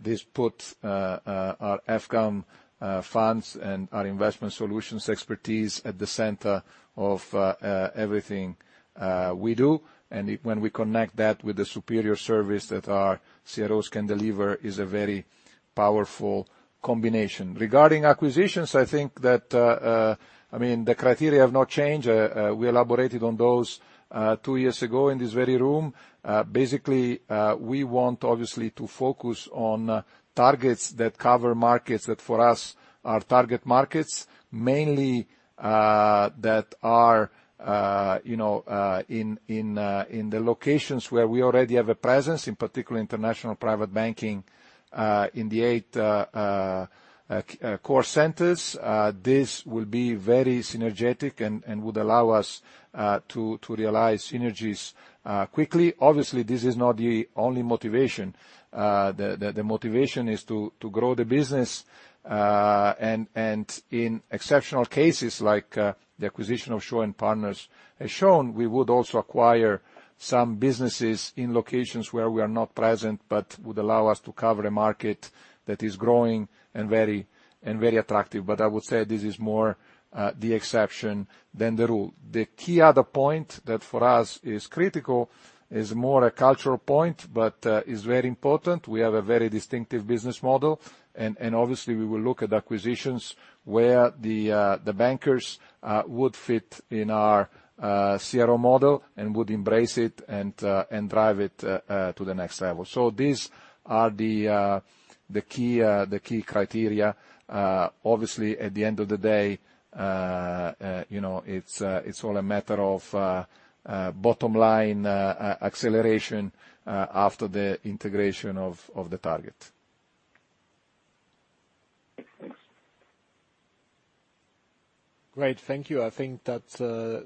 C: this put our EFGAM funds and our investment solutions expertise at the center of everything we do. When we connect that with the superior service that our CROs can deliver, is a very powerful combination. Regarding acquisitions, I think that the criteria have not changed. We elaborated on those two years ago in this very room. Basically, we want, obviously, to focus on targets that cover markets that for us are target markets, mainly that are in the locations where we already have a presence, in particular, international private banking in the eight core centers. This will be very synergetic and would allow us to realize synergies quickly. Obviously, this is not the only motivation. The motivation is to grow the business, and in exceptional cases, like the acquisition of Shaw and Partners has shown, we would also acquire some businesses in locations where we are not present but would allow us to cover a market that is growing and very attractive. I would say this is more the exception than the rule. The key other point that for us is critical is more a cultural point, but is very important. We have a very distinctive business model, and obviously, we will look at acquisitions where the bankers would fit in our CRO model and would embrace it and drive it to the next level. These are the key criteria. At the end of the day, it's all a matter of bottom line acceleration after the integration of the target.
E: Thanks.
B: Great. Thank you.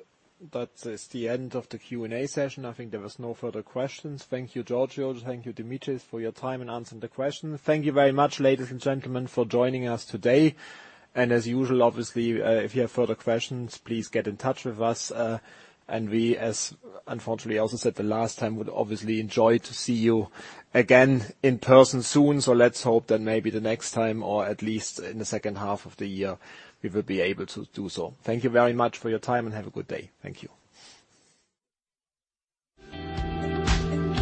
B: That is the end of the Q&A session. There was no further questions. Thank you, Giorgio. Thank you, Dimitris, for your time in answering the question. Thank you very much, ladies and gentlemen, for joining us today. As usual, obviously, if you have further questions, please get in touch with us. We, as unfortunately also said the last time, would obviously enjoy to see you again in person soon. Let's hope that maybe the next time, or at least in the second half of the year, we will be able to do so. Thank you very much for your time, and have a good day. Thank you.